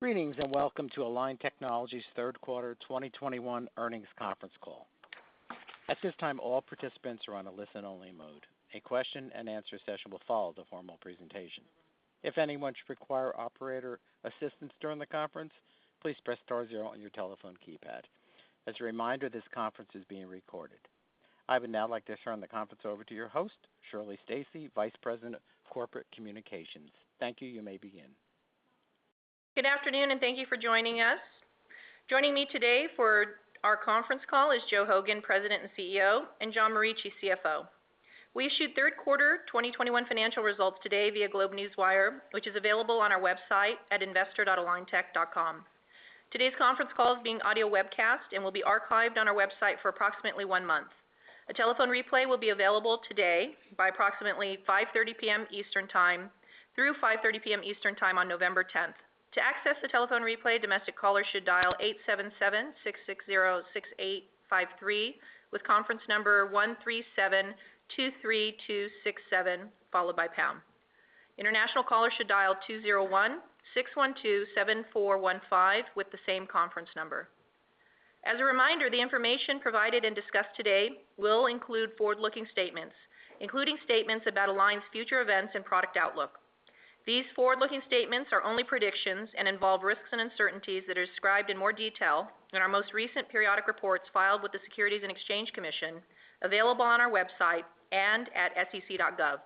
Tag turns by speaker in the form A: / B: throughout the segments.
A: Greetings, and welcome to Align Technology's third quarter 2021 earnings conference call. At this time, all participants are on a listen only mode. A question and answer session will follow the formal presentation. If anyone should require operator assistance during the conference, please press star zero on your telephone keypad. As a reminder, this conference is being recorded. I would now like to turn the conference over to your host, Shirley Stacy, Vice President of Corporate Communications. Thank you. You may begin.
B: Good afternoon, and thank you for joining us. Joining me today for our conference call is Joe Hogan, President and CEO, and John Morici, CFO. We issued third quarter 2021 financial results today via GlobeNewswire, which is available on our website at investor.aligntech.com. Today's conference call is being audio webcast and will be archived on our website for approximately one month. A telephone replay will be available today by approximately 5:30 P.M. Eastern time through 5:30 P.M. Eastern time on November 10. To access the telephone replay, domestic callers should dial 877-660-6853 with conference number 13723267, followed by pound. International callers should dial 201-612-7415 with the same conference number. As a reminder, the information provided and discussed today will include forward-looking statements, including statements about Align's future events and product outlook. These forward-looking statements are only predictions and involve risks and uncertainties that are described in more detail in our most recent periodic reports filed with the Securities and Exchange Commission, available on our website and at sec.gov.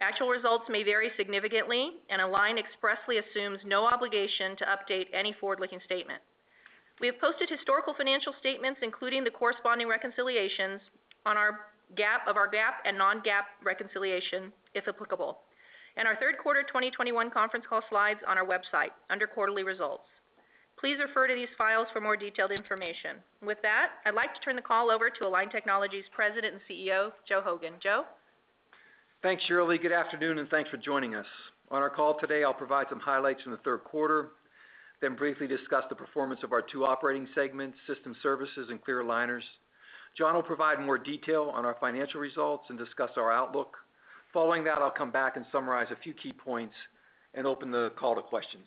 B: Actual results may vary significantly, and Align expressly assumes no obligation to update any forward-looking statement. We have posted historical financial statements, including the corresponding reconciliations of our GAAP and non-GAAP, if applicable, and our third quarter 2021 conference call slides on our website under quarterly results. Please refer to these files for more detailed information. With that, I'd like to turn the call over to Align Technology's President and CEO, Joe Hogan. Joe?
C: Thanks, Shirley. Good afternoon, and thanks for joining us. On our call today, I'll provide some highlights from the third quarter, then briefly discuss the performance of our two operating segments, system services and clear aligners. John will provide more detail on our financial results and discuss our outlook. Following that, I'll come back and summarize a few key points and open the call to questions.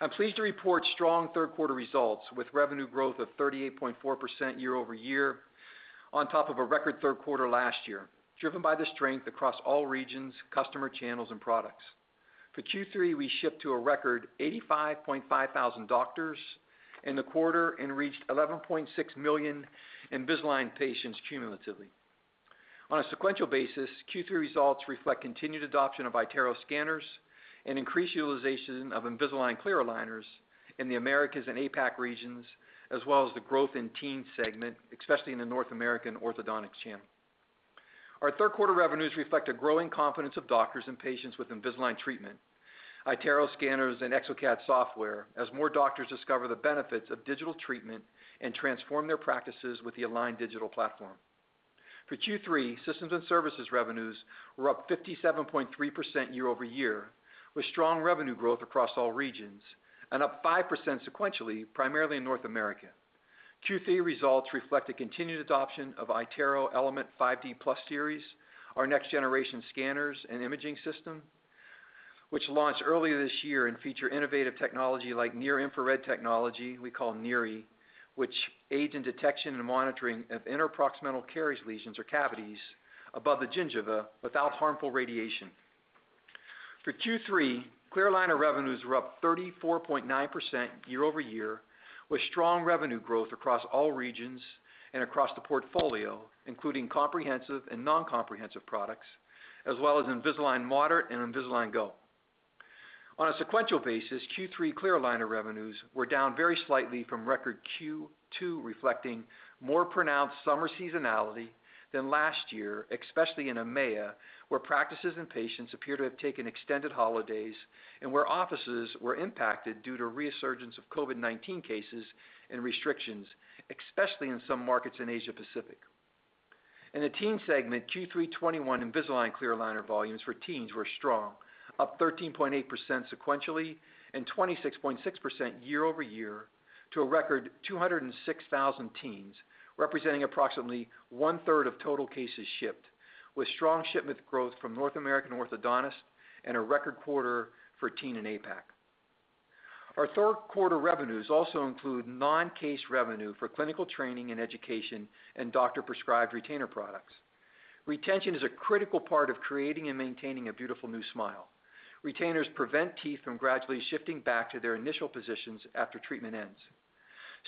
C: I'm pleased to report strong third quarter results, with revenue growth of 38.4% year-over-year on top of a record third quarter last year, driven by the strength across all regions, customer channels, and products. For Q3, we shipped to a record 85,500 doctors in the quarter and reached 11.6 million Invisalign patients cumulatively. On a sequential basis, Q3 results reflect continued adoption of iTero scanners and increased utilization of Invisalign clear aligners in the Americas and APAC regions, as well as the growth in teen segment, especially in the North American orthodontics channel. Our third quarter revenues reflect a growing confidence of doctors and patients with Invisalign treatment, iTero scanners and exocad software as more doctors discover the benefits of digital treatment and transform their practices with the Align Digital Platform. For Q3, systems and services revenues were up 57.3% year-over-year, with strong revenue growth across all regions and up 5% sequentially, primarily in North America. Q3 results reflect a continued adoption of iTero Element 5D Plus Series, our next generation scanners and imaging system, which launched earlier this year and feature innovative technology like near-infrared technology we call NIRI, which aids in detection and monitoring of interproximal caries lesions or cavities above the gingiva without harmful radiation. For Q3, clear aligner revenues were up 34.9% year-over-year, with strong revenue growth across all regions and across the portfolio, including comprehensive and non-comprehensive products, as well as Invisalign Moderate and Invisalign Go. On a sequential basis, Q3 clear aligner revenues were down very slightly from record Q2, reflecting more pronounced summer seasonality than last year, especially in EMEA, where practices and patients appear to have taken extended holidays and where offices were impacted due to resurgence of COVID-19 cases and restrictions, especially in some markets in Asia Pacific. In the teen segment, Q3 2021 Invisalign clear aligner volumes for teens were strong, up 13.8 sequentially and 26.6% year-over-year to a record 206,000 teens, representing approximately one-third of total cases shipped, with strong shipment growth from North American orthodontists and a record quarter for teen in APAC. Our third quarter revenues also include non-case revenue for clinical training and education and doctor-prescribed retainer products. Retention is a critical part of creating and maintaining a beautiful new smile. Retainers prevent teeth from gradually shifting back to their initial positions after treatment ends.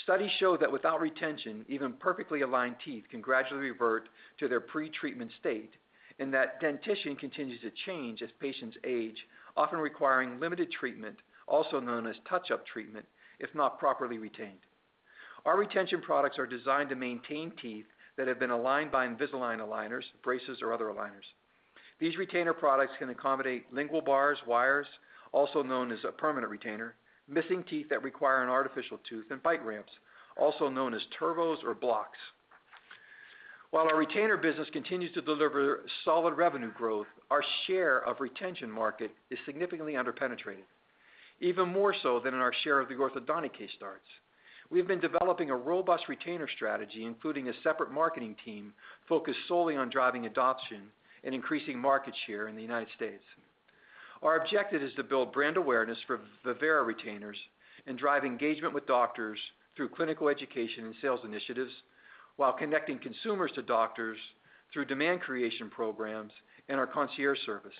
C: Studies show that without retention, even perfectly aligned teeth can gradually revert to their pre-treatment state and that dentition continues to change as patients age, often requiring limited treatment, also known as touch-up treatment, if not properly retained. Our retention products are designed to maintain teeth that have been aligned by Invisalign aligners, braces or other aligners. These retainer products can accommodate lingual bars, wires, also known as a permanent retainer, missing teeth that require an artificial tooth and bite ramps, also known as turbos or blocks. While our retainer business continues to deliver solid revenue growth, our share of retention market is significantly underpenetrated, even more so than in our share of the orthodontic case starts. We've been developing a robust retainer strategy, including a separate marketing team focused solely on driving adoption and increasing market share in the United States. Our objective is to build brand awareness for Vivera retainers and drive engagement with doctors through clinical education and sales initiatives, while connecting consumers to doctors through demand creation programs and our concierge service.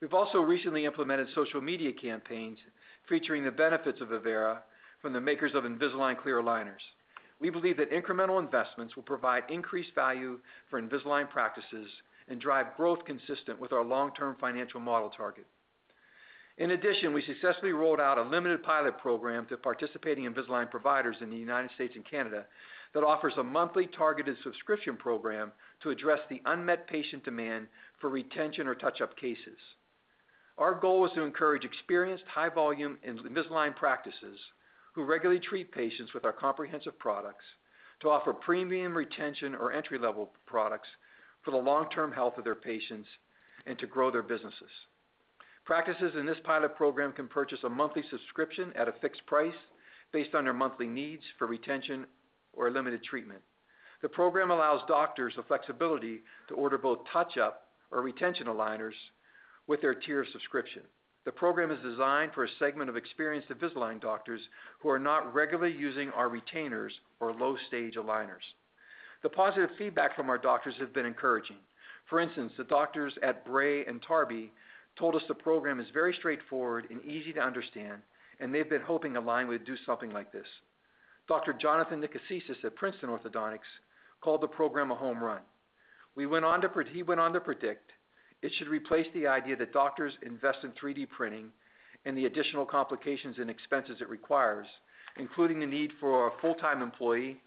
C: We've also recently implemented social media campaigns featuring the benefits of Vivera from the makers of Invisalign clear aligners. We believe that incremental investments will provide increased value for Invisalign practices and drive growth consistent with our long-term financial model target. In addition, we successfully rolled out a limited pilot program to participating Invisalign providers in the United States and Canada that offers a monthly targeted subscription program to address the unmet patient demand for retention or touch-up cases. Our goal is to encourage experienced, high-volume Invisalign practices who regularly treat patients with our comprehensive products to offer premium retention or entry-level products for the long-term health of their patients and to grow their businesses. Practices in this pilot program can purchase a monthly subscription at a fixed price based on their monthly needs for retention or limited treatment. The program allows doctors the flexibility to order both touch-up or retention aligners with their tier subscription. The program is designed for a segment of experienced Invisalign doctors who are not regularly using our retainers or low-stage aligners. The positive feedback from our doctors has been encouraging. For instance, the doctors at Bray and Tarby told us the program is very straightforward and easy to understand, and they've been hoping Align would do something like this. Dr. Jonathan Nicasio at Princeton Orthodontics called the program a home run. He went on to predict it should replace the idea that doctors invest in 3D printing and the additional complications and expenses it requires, including the need for a full-time employee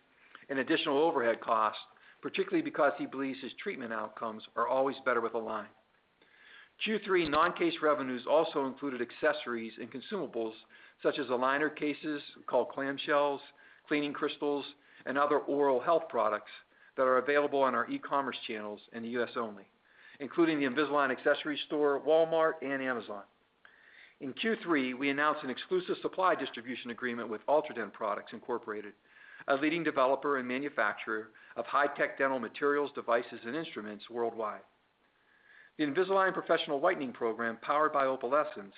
C: and additional overhead costs, particularly because he believes his treatment outcomes are always better with Align. Q3 non-case revenues also included accessories and consumables such as aligner cases called clamshells, cleaning crystals, and other oral health products that are available on our e-commerce channels in the U.S. only, including the Invisalign accessory store, Walmart, and Amazon. In Q3, we announced an exclusive supply distribution agreement with Ultradent Products, Inc, a leading developer and manufacturer of high-tech dental materials, devices, and instruments worldwide. The Invisalign professional whitening program, powered by Opalescence,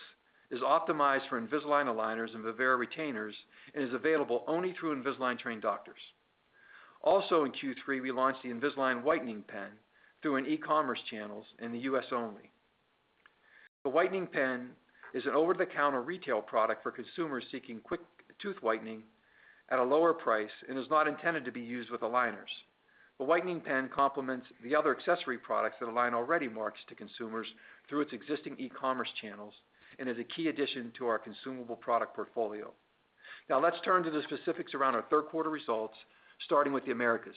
C: is optimized for Invisalign aligners and Vivera retainers and is available only through Invisalign-trained doctors. Also in Q3, we launched the Invisalign whitening pen through our e-commerce channels in the U.S. only. The whitening pen is an over-the-counter retail product for consumers seeking quick tooth whitening at a lower price and is not intended to be used with aligners. The whitening pen complements the other accessory products that Align already markets to consumers through its existing e-commerce channels and is a key addition to our consumable product portfolio. Now let's turn to the specifics around our third quarter results, starting with the Americas.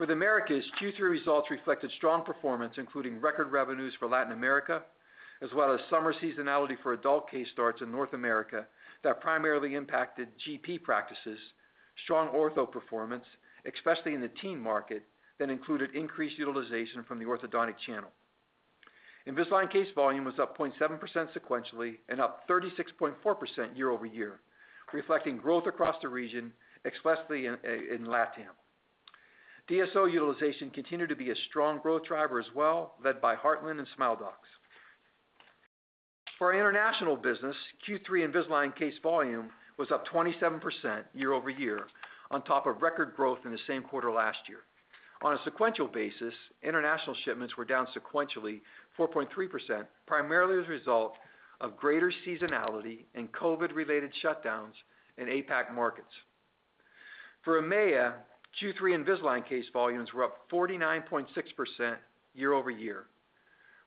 C: In the Americas, Q3 results reflected strong performance, including record revenues for Latin America, as well as summer seasonality for adult case starts in North America that primarily impacted GP practices, strong ortho performance, especially in the teen market, that included increased utilization from the orthodontic channel. Invisalign case volume was up 0.7% sequentially and up 36.4% year-over-year, reflecting growth across the region, especially in LATAM. DSO utilization continued to be a strong growth driver as well, led by Heartland and Smile Doctors. For our international business, Q3 Invisalign case volume was up 27% year-over-year on top of record growth in the same quarter last year. On a sequential basis, international shipments were down sequentially 4.3%, primarily as a result of greater seasonality and COVID-related shutdowns in APAC markets. For EMEA, Q3 Invisalign case volumes were up 49.6% year-over-year,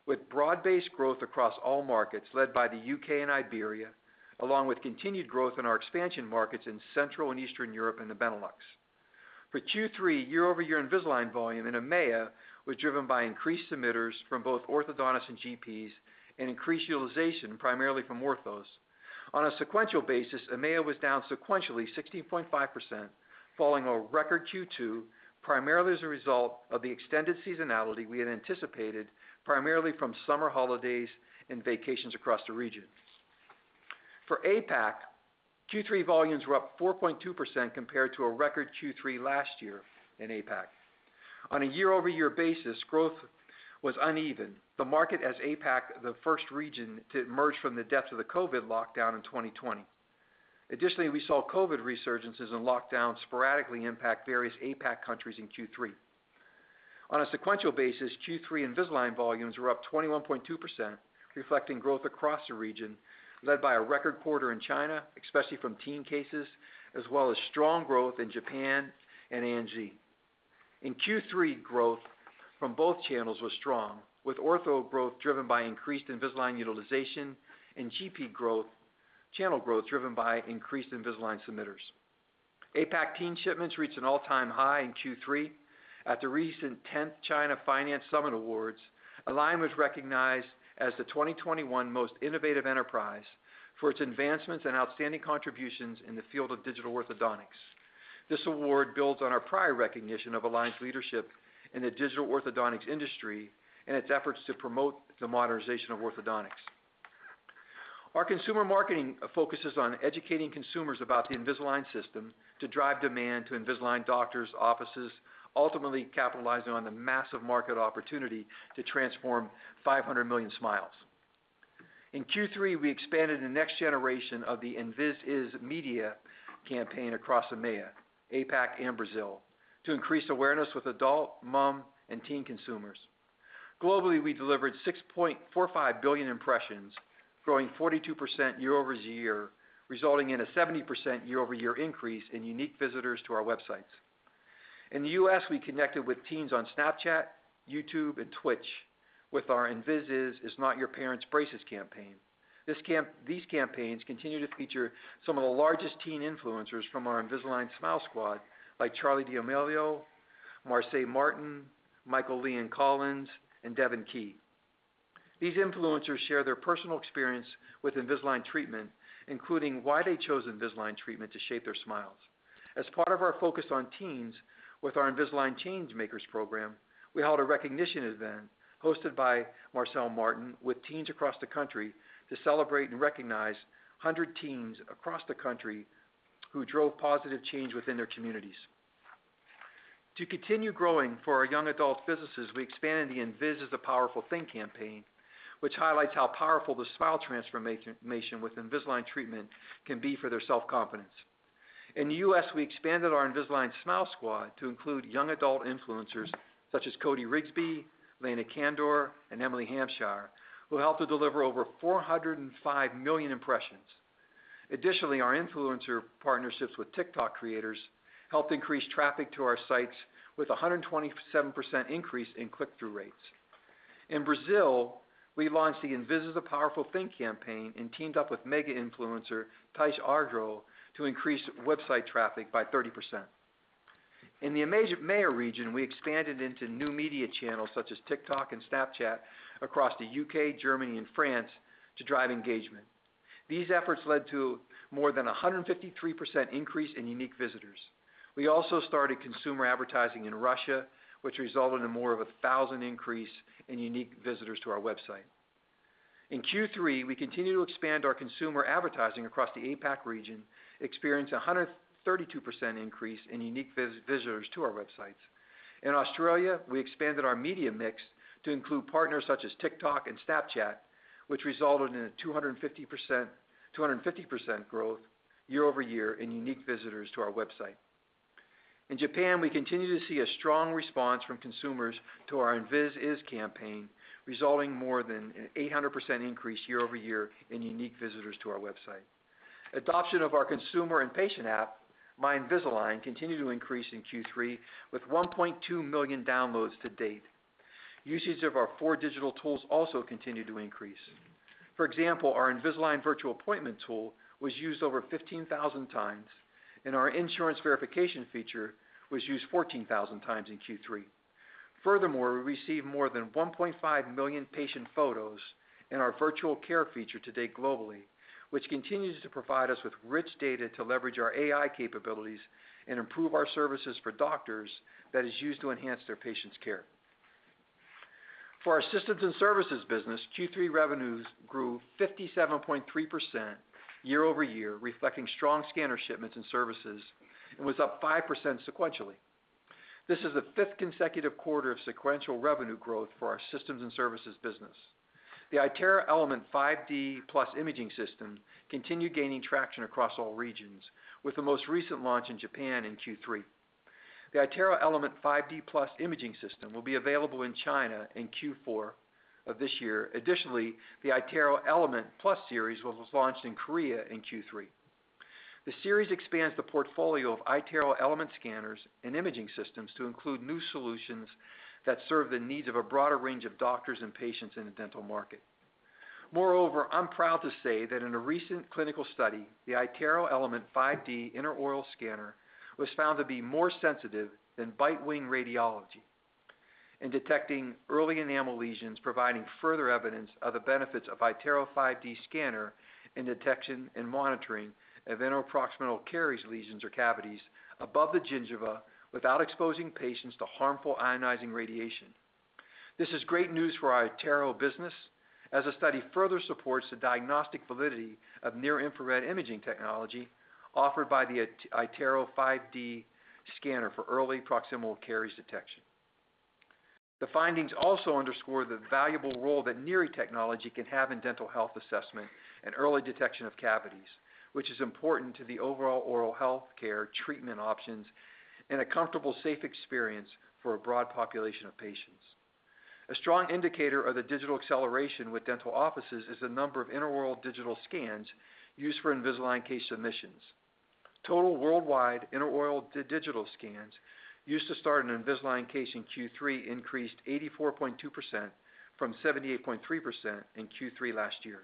C: with broad-based growth across all markets, led by the U.K. and Iberia, along with continued growth in our expansion markets in Central and Eastern Europe and the Benelux. For Q3, year-over-year Invisalign volume in EMEA was driven by increased submitters from both orthodontists and GPs and increased utilization, primarily from orthos. On a sequential basis, EMEA was down sequentially 16.5%, following a record Q2, primarily as a result of the extended seasonality we had anticipated, primarily from summer holidays and vacations across the region. For APAC, Q3 volumes were up 4.2% compared to a record Q3 last year in APAC. On a year-over-year basis, growth was uneven in the market in APAC, the first region to emerge from the depths of the COVID lockdown in 2020. Additionally, we saw COVID resurgences and lockdowns sporadically impact various APAC countries in Q3. On a sequential basis, Q3 Invisalign volumes were up 21.2%, reflecting growth across the region, led by a record quarter in China, especially from teen cases, as well as strong growth in Japan and ANZ. In Q3, growth from both channels was strong, with ortho growth driven by increased Invisalign utilization and GP growth, channel growth driven by increased Invisalign submitters. APAC teen shipments reached an all-time high in Q3. At the recent tenth China Finance Summit Awards, Align was recognized as the 2021 most innovative enterprise for its advancements and outstanding contributions in the field of digital orthodontics. This award builds on our prior recognition of Align's leadership in the digital orthodontics industry and its efforts to promote the modernization of orthodontics. Our consumer marketing focuses on educating consumers about the Invisalign system to drive demand to Invisalign doctors' offices, ultimately capitalizing on the massive market opportunity to transform 500 million smiles. In Q3, we expanded the next generation of the Invisalign's media campaign across EMEA, APAC, and Brazil to increase awareness with adult, mom, and teen consumers. Globally, we delivered 6.45 billion impressions, growing 42% year-over-year, resulting in a 70% year-over-year increase in unique visitors to our websites. In the U.S., we connected with teens on Snapchat, YouTube, and Twitch with our Invisalign is not your parents' braces campaign. These campaigns continue to feature some of the largest teen influencers from our Invisalign Smile Squad, like Charli D'Amelio, Marsai Martin, Michael Le and Collins Key, and Devan Key. These influencers share their personal experience with Invisalign treatment, including why they chose Invisalign treatment to shape their smiles. As part of our focus on teens with our Invisalign ChangeMakers program, we held a recognition event hosted by Marsai Martin with teens across the country to celebrate and recognize 100 teens across the country who drove positive change within their communities. To continue growing for our young adult businesses, we expanded the Invisalign Is a Powerful Thing campaign, which highlights how powerful the smile transformation with Invisalign treatment can be for their self-confidence. In the U.S., we expanded our Invisalign Smile Squad to include young adult influencers such as Cody Rigsby, Lana Condor, and Emily Hampshire, who helped to deliver over 405 million impressions. Additionally, our influencer partnerships with TikTok creators helped increase traffic to our sites with a 127% increase in click-through rates. In Brazil, we launched the Invisalign Is a Powerful Thing campaign and teamed up with mega influencer Taís Araújo to increase website traffic by 30%. In the APAC-EMEA region, we expanded into new media channels such as TikTok and Snapchat across the U.K., Germany, and France to drive engagement. These efforts led to more than 153% increase in unique visitors. We also started consumer advertising in Russia, which resulted in more than a thousand increase in unique visitors to our website. In Q3, we continued to expand our consumer advertising across the APAC region, experienced a 132% increase in unique visitors to our websites. In Australia, we expanded our media mix to include partners such as TikTok and Snapchat, which resulted in a 250% growth year over year in unique visitors to our website. In Japan, we continue to see a strong response from consumers to our Invisalign campaign, resulting more than an 800% increase year over year in unique visitors to our website. Adoption of our consumer and patient app, My Invisalign, continued to increase in Q3, with 1.2 million downloads to date. Usage of our four digital tools also continued to increase. For example, our Invisalign Virtual Appointment tool was used over 15,000 times, and our insurance verification feature was used 14,000 times in Q3. Furthermore, we received more than 1.5 million patient photos in our virtual care feature to date globally, which continues to provide us with rich data to leverage our AI capabilities and improve our services for doctors that is used to enhance their patients' care. For our systems and services business, Q3 revenues grew 57.3% year over year, reflecting strong scanner shipments and services, and was up 5% sequentially. This is the fifth consecutive quarter of sequential revenue growth for our systems and services business. The iTero Element 5D Plus imaging system continued gaining traction across all regions, with the most recent launch in Japan in Q3. The iTero Element 5D Plus imaging system will be available in China in Q4 of this year. Additionally, the iTero Element Plus series was launched in Korea in Q3. The series expands the portfolio of iTero Element scanners and imaging systems to include new solutions that serve the needs of a broader range of doctors and patients in the dental market. Moreover, I'm proud to say that in a recent clinical study, the iTero Element 5D intraoral scanner was found to be more sensitive than bite-wing radiology in detecting early enamel lesions, providing further evidence of the benefits of iTero 5D scanner in detection and monitoring of interproximal caries lesions or cavities above the gingiva without exposing patients to harmful ionizing radiation. This is great news for our iTero business, as the study further supports the diagnostic validity of near-infrared imaging technology offered by the iTero 5D scanner for early proximal caries detection. The findings also underscore the valuable role that NIRI technology can have in dental health assessment and early detection of cavities, which is important to the overall oral health care treatment options and a comfortable, safe experience for a broad population of patients. A strong indicator of the digital acceleration with dental offices is the number of intraoral digital scans used for Invisalign case submissions. Total worldwide intraoral digital scans used to start an Invisalign case in Q3 increased 84.2% from 78.3% in Q3 last year.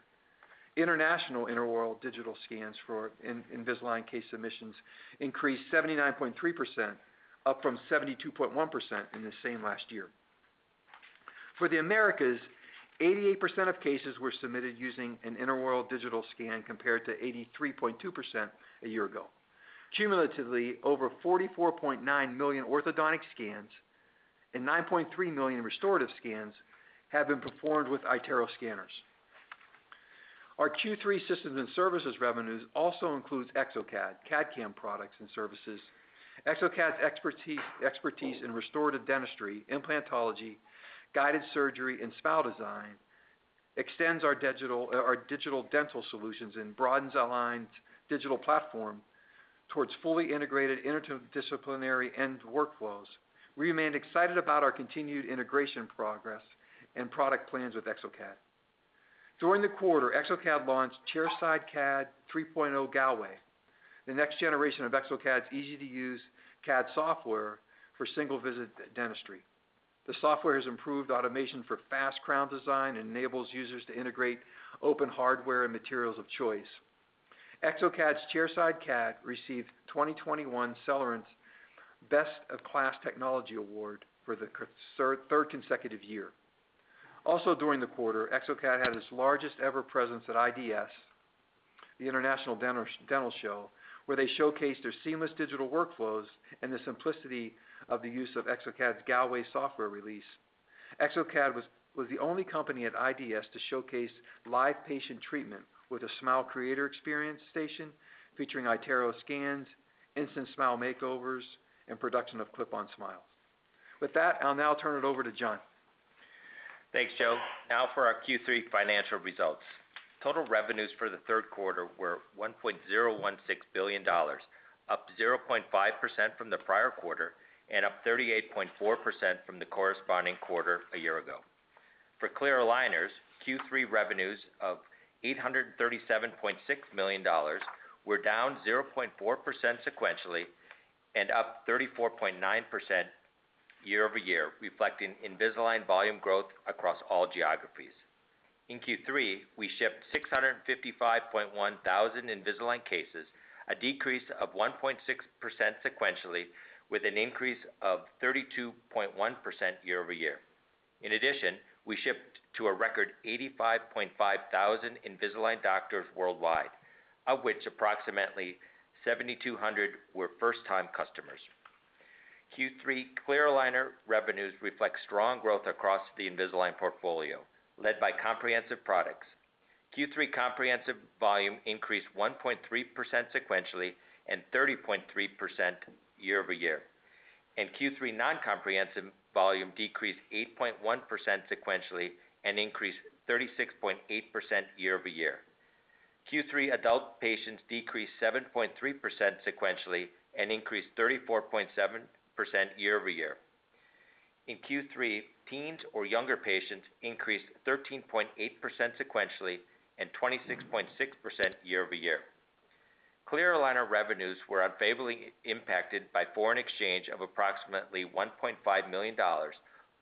C: International intraoral digital scans for Invisalign case submissions increased 79.3%, up from 72.1% in the same period last year. For the Americas, 88% of cases were submitted using an intraoral digital scan, compared to 83.2% a year ago. Cumulatively, over 44.9 million orthodontic scans and 9.3 million restorative scans have been performed with iTero scanners. Our Q3 systems and services revenues also includes exocad, CAD/CAM products and services. exocad's expertise in restorative dentistry, implantology, guided surgery, and smile design extends our digital dental solutions and broadens our Align Digital Platform towards fully integrated interdisciplinary end workflows. We remain excited about our continued integration progress and product plans with exocad. During the quarter, exocad launched ChairsideCAD 3.0 Galway, the next generation of exocad's easy-to-use CAD software for single-visit dentistry. The software has improved automation for fast crown design and enables users to integrate open hardware and materials of choice. exocad's ChairsideCAD received 2021 Cellerant's Best of Class Technology Award for the third consecutive year. Also, during the quarter, exocad had its largest ever presence at IDS, the International Dental Show, where they showcased their seamless digital workflows and the simplicity of the use of exocad's Galway software release. exocad was the only company at IDS to showcase live patient treatment with a Smile Creator Experience station, featuring iTero scans, instant smile makeovers, and production of clip-on smiles. With that, I'll now turn it over to John.
D: Thanks, Joe. Now for our Q3 financial results. Total revenues for the third quarter were $1.016 billion, up 0.5% from the prior quarter and up 38.4% from the corresponding quarter a year ago. For clear aligners, Q3 revenues of $837.6 million were down 0.4% sequentially and up 34.9% year-over-year, reflecting Invisalign volume growth across all geographies. In Q3, we shipped 655,100 Invisalign cases, a decrease of 1.6% sequentially, with an increase of 32.1% year-over-year. In addition, we shipped to a record 85,500 Invisalign doctors worldwide, of which approximately 7,200 were first-time customers. Q3 clear aligner revenues reflect strong growth across the Invisalign portfolio, led by comprehensive products. Q3 comprehensive volume increased 1.3% sequentially and 30.3% year-over-year. Q3 non-comprehensive volume decreased 8.1 sequentially and increased 36.8% year-over-year. Q3 adult patients decreased 7.3% sequentially and increased 34.7% year-over-year. In Q3, teens or younger patients increased 13.8% sequentially and 26.6% year-over-year. Clear aligner revenues were unfavorably impacted by foreign exchange of approximately $1.5 million,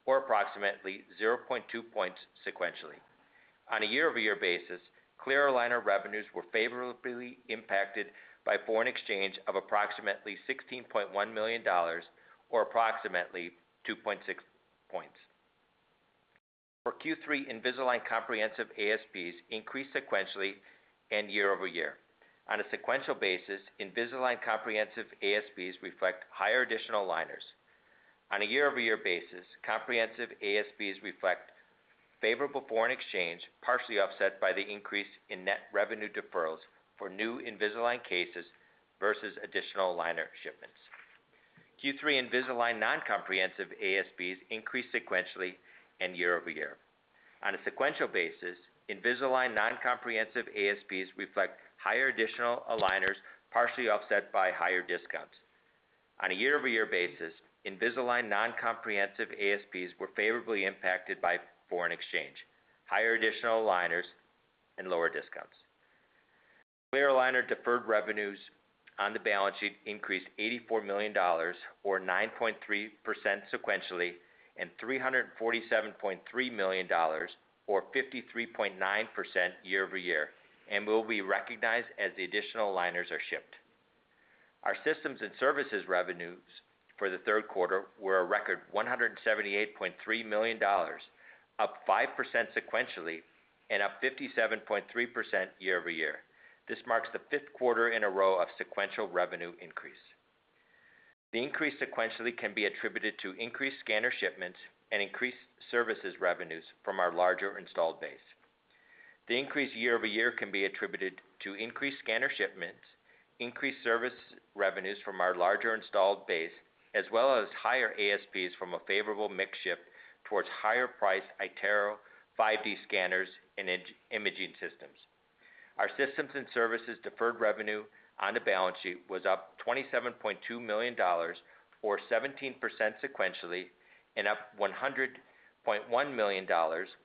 D: or approximately 0.2 points sequentially. On a year-over-year basis, clear aligner revenues were favorably impacted by foreign exchange of approximately $16.1 million, or approximately 2.6 points. For Q3, Invisalign comprehensive ASPs increased sequentially and year-over-year. On a sequential basis, Invisalign comprehensive ASPs reflect higher additional aligners. On a year-over-year basis, comprehensive ASPs reflect favorable foreign exchange, partially offset by the increase in net revenue deferrals for new Invisalign cases versus additional aligner shipments. Q3 Invisalign non-comprehensive ASPs increased sequentially and year-over-year. On a sequential basis, Invisalign non-comprehensive ASPs reflect higher additional aligners, partially offset by higher discounts. On a year-over-year basis, Invisalign non-comprehensive ASPs were favorably impacted by foreign exchange, higher additional aligners, and lower discounts. Clear aligner deferred revenues on the balance sheet increased $84 million, or 9.3% sequentially, and $347.3 million, or 53.9% year-over-year, and will be recognized as the additional aligners are shipped. Our Systems and Services revenues for the third quarter were a record $178.3 million, up 5% sequentially and up 57.3% year-over-year. This marks the 5th quarter in a row of sequential revenue increase. The increase sequentially can be attributed to increased scanner shipments and increased services revenues from our larger installed base. The increase year-over-year can be attributed to increased scanner shipments, increased service revenues from our larger installed base, as well as higher ASPs from a favorable mix shift towards higher priced iTero 5D scanners and imaging systems. Our systems and services deferred revenue on the balance sheet was up $27.2 million, or 17% sequentially, and up $100.1 million,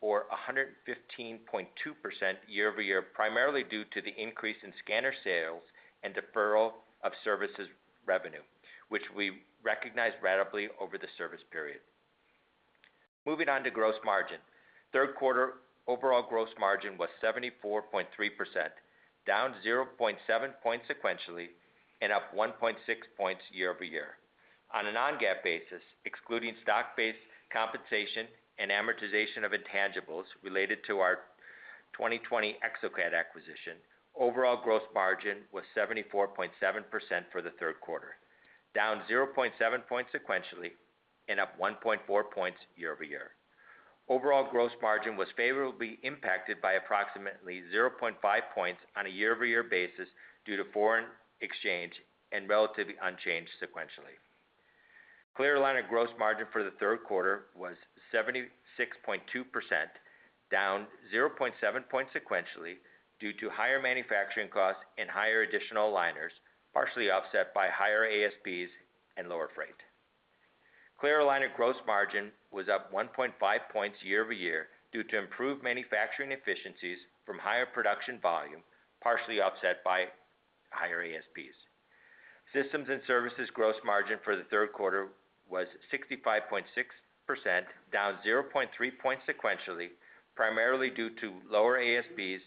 D: or 115.2% year-over-year, primarily due to the increase in scanner sales and deferral of services revenue, which we recognize ratably over the service period. Moving on to gross margin. Third quarter overall gross margin was 74.3%, down 0.7 points sequentially and up 1.6 points year-over-year. On a non-GAAP basis, excluding stock-based compensation and amortization of intangibles related to our 2020 exocad acquisition, overall gross margin was 74.7% for the third quarter, down 0.7 points sequentially and up 1.4 points year-over-year. Overall gross margin was favorably impacted by approximately 0.5 points on a year-over-year basis due to foreign exchange and relatively unchanged sequentially. Clear aligner gross margin for the third quarter was 76.2%, down 0.7 points sequentially due to higher manufacturing costs and higher additional aligners, partially offset by higher ASPs and lower freight. Clear aligner gross margin was up 1.5 points year-over-year due to improved manufacturing efficiencies from higher production volume, partially offset by higher ASPs. Systems and services gross margin for the third quarter was 65.6%, down 0.3 points sequentially, primarily due to lower ASPs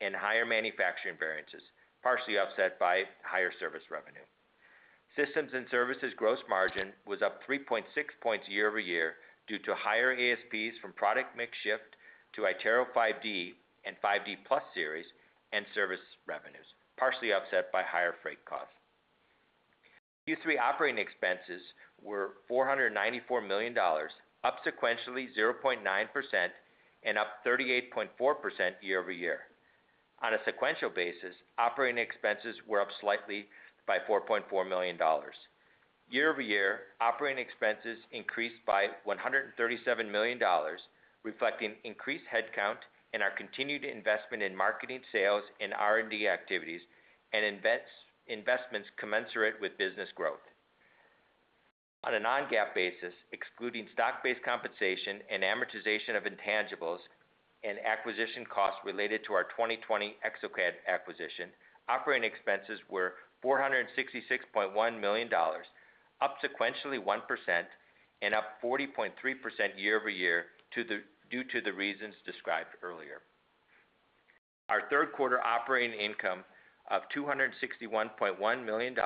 D: and higher manufacturing variances, partially offset by higher service revenue. Systems and services gross margin was up 3.6 points year-over-year due to higher ASPs from product mix shift to iTero 5D and 5D Plus series and service revenues, partially offset by higher freight costs. Q3 operating expenses were $494 million, up sequentially 0.9% and up 38.4% year-over-year. On a sequential basis, operating expenses were up slightly by $4.4 million. Year-over-year, operating expenses increased by $137 million, reflecting increased headcount and our continued investment in marketing, sales, and R&D activities and investments commensurate with business growth. On a non-GAAP basis, excluding stock-based compensation and amortization of intangibles and acquisition costs related to our 2020 exocad acquisition, operating expenses were $466.1 million, up sequentially 1% and up 40.3% year-over-year due to the reasons described earlier. Our third quarter operating income of $261.1 million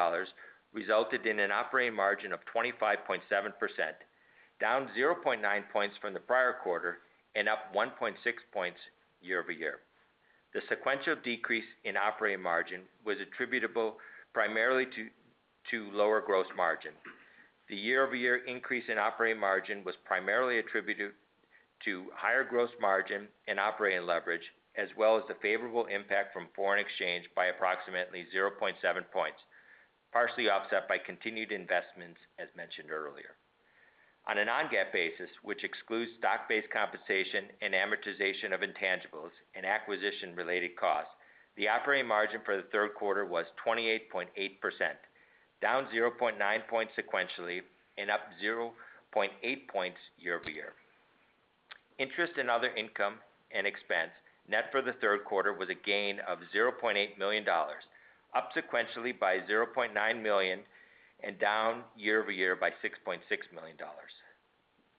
D: resulted in an operating margin of 25.7%, down 0.9 points from the prior quarter and up 1.6 points year-over-year. The sequential decrease in operating margin was attributable primarily to lower gross margin. The year-over-year increase in operating margin was primarily attributed to higher gross margin and operating leverage, as well as the favorable impact from foreign exchange by approximately 0.7 points, partially offset by continued investments, as mentioned earlier. On a non-GAAP basis, which excludes stock-based compensation and amortization of intangibles and acquisition-related costs, the operating margin for the third quarter was 28.8%, down 0.9 points sequentially and up 0.8 points year-over-year. Interest and other income and expense net for the third quarter was a gain of $0.8 million, up sequentially by $0.9 million and down year-over-year by $6.6 million.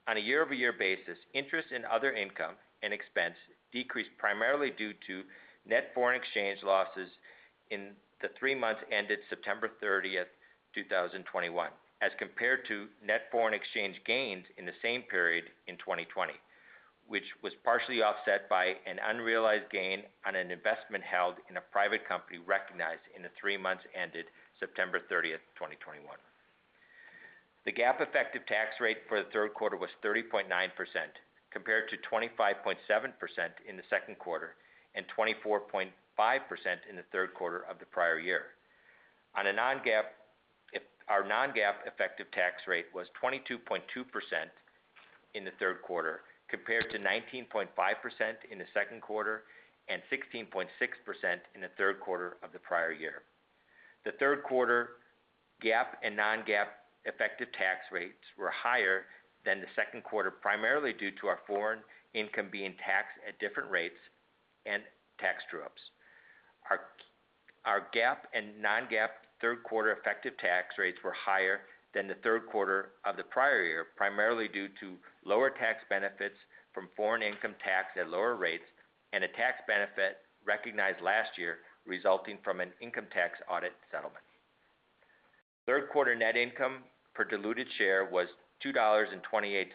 D: On a year-over-year basis, interest and other income and expense decreased primarily due to net foreign exchange losses in the three months ended September 30, 2021, as compared to net foreign exchange gains in the same period in 2020, which was partially offset by an unrealized gain on an investment held in a private company recognized in the three months ended September 30, 2021. The GAAP effective tax rate for the third quarter was 30.9%, compared to 25.7% in the second quarter and 24.5% in the third quarter of the prior year. Our non-GAAP effective tax rate was 22.2% in the third quarter, compared to 19.5% in the second quarter and 16.6% in the third quarter of the prior year. The third quarter GAAP and non-GAAP effective tax rates were higher than the second quarter, primarily due to our foreign income being taxed at different rates and tax true-ups. Our GAAP and non-GAAP third quarter effective tax rates were higher than the third quarter of the prior year, primarily due to lower tax benefits from foreign income taxed at lower rates and a tax benefit recognized last year resulting from an income tax audit settlement. Third quarter net income per diluted share was $2.28,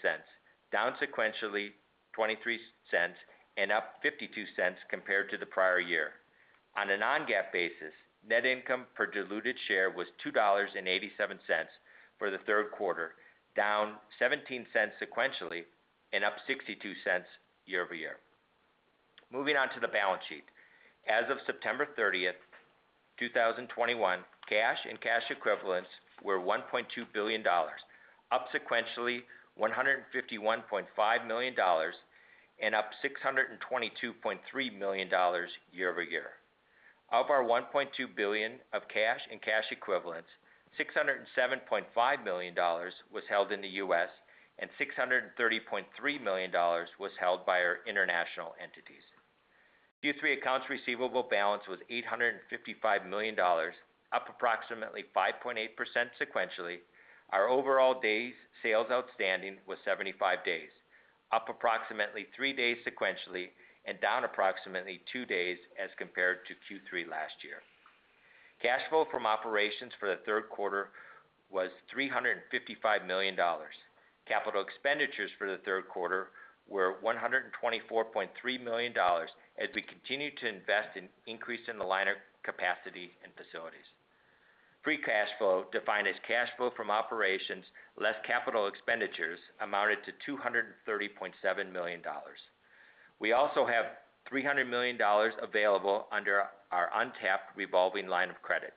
D: down sequentially $0.23 and up $0.52 compared to the prior year. On a non-GAAP basis, net income per diluted share was $2.87 for the third quarter, down $0.17 sequentially and up $0.62 year-over-year. Moving on to the balance sheet. As of September 30, 2021, cash and cash equivalents were $1.2 billion, up sequentially $151.5 million and up $622.3 million year-over-year. Of our $1.2 billion of cash and cash equivalents, $607.5 million was held in the U.S. and $630.3 million was held by our international entities. Q3 accounts receivable balance was $855 million, up approximately 5.8% sequentially. Our overall days sales outstanding was 75 days, up approximately three days sequentially, and down approximately two days as compared to Q3 last year. Cash flow from operations for the third quarter was $355 million. Capital expenditures for the third quarter were $124.3 million as we continue to invest in increasing the line of capacity and facilities. Free cash flow, defined as cash flow from operations less capital expenditures, amounted to $230.7 million. We also have $300 million available under our untapped revolving line of credit.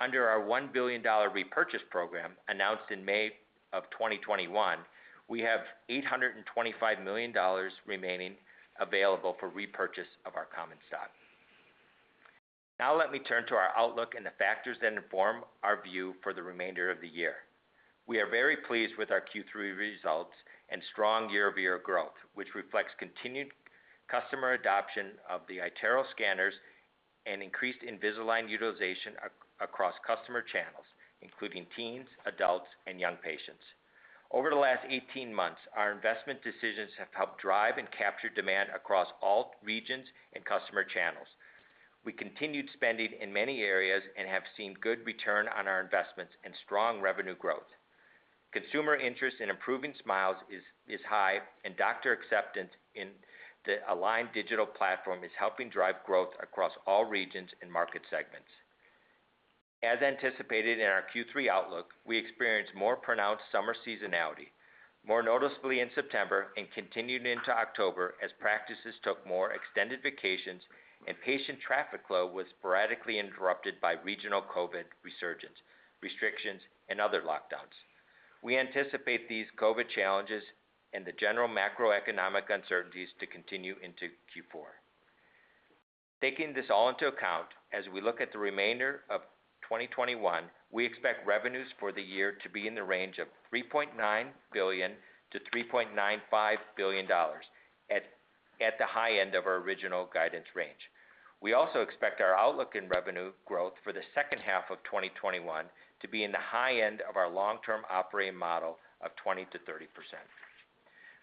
D: Under our $1 billion repurchase program announced in May of 2021, we have $825 million remaining available for repurchase of our common stock. Now let me turn to our outlook and the factors that inform our view for the remainder of the year. We are very pleased with our Q3 results and strong year-over-year growth, which reflects continued customer adoption of the iTero scanners and increased Invisalign utilization across customer channels, including teens, adults, and young patients. Over the last 18 months, our investment decisions have helped drive and capture demand across all regions and customer channels. We continued spending in many areas and have seen good return on our investments and strong revenue growth. Consumer interest in improving smiles is high, and doctor acceptance in the Align Digital Platform is helping drive growth across all regions and market segments. As anticipated in our Q3 outlook, we experienced more pronounced summer seasonality, more noticeably in September and continued into October as practices took more extended vacations and patient traffic flow was sporadically interrupted by regional COVID resurgence, restrictions, and other lockdowns. We anticipate these COVID challenges and the general macroeconomic uncertainties to continue into Q4. Taking this all into account, as we look at the remainder of 2021, we expect revenues for the year to be in the range of $3.9 billion-$3.95 billion, at the high end of our original guidance range. We also expect our outlook in revenue growth for the second half of 2021 to be in the high end of our long-term operating model of 20%-30%.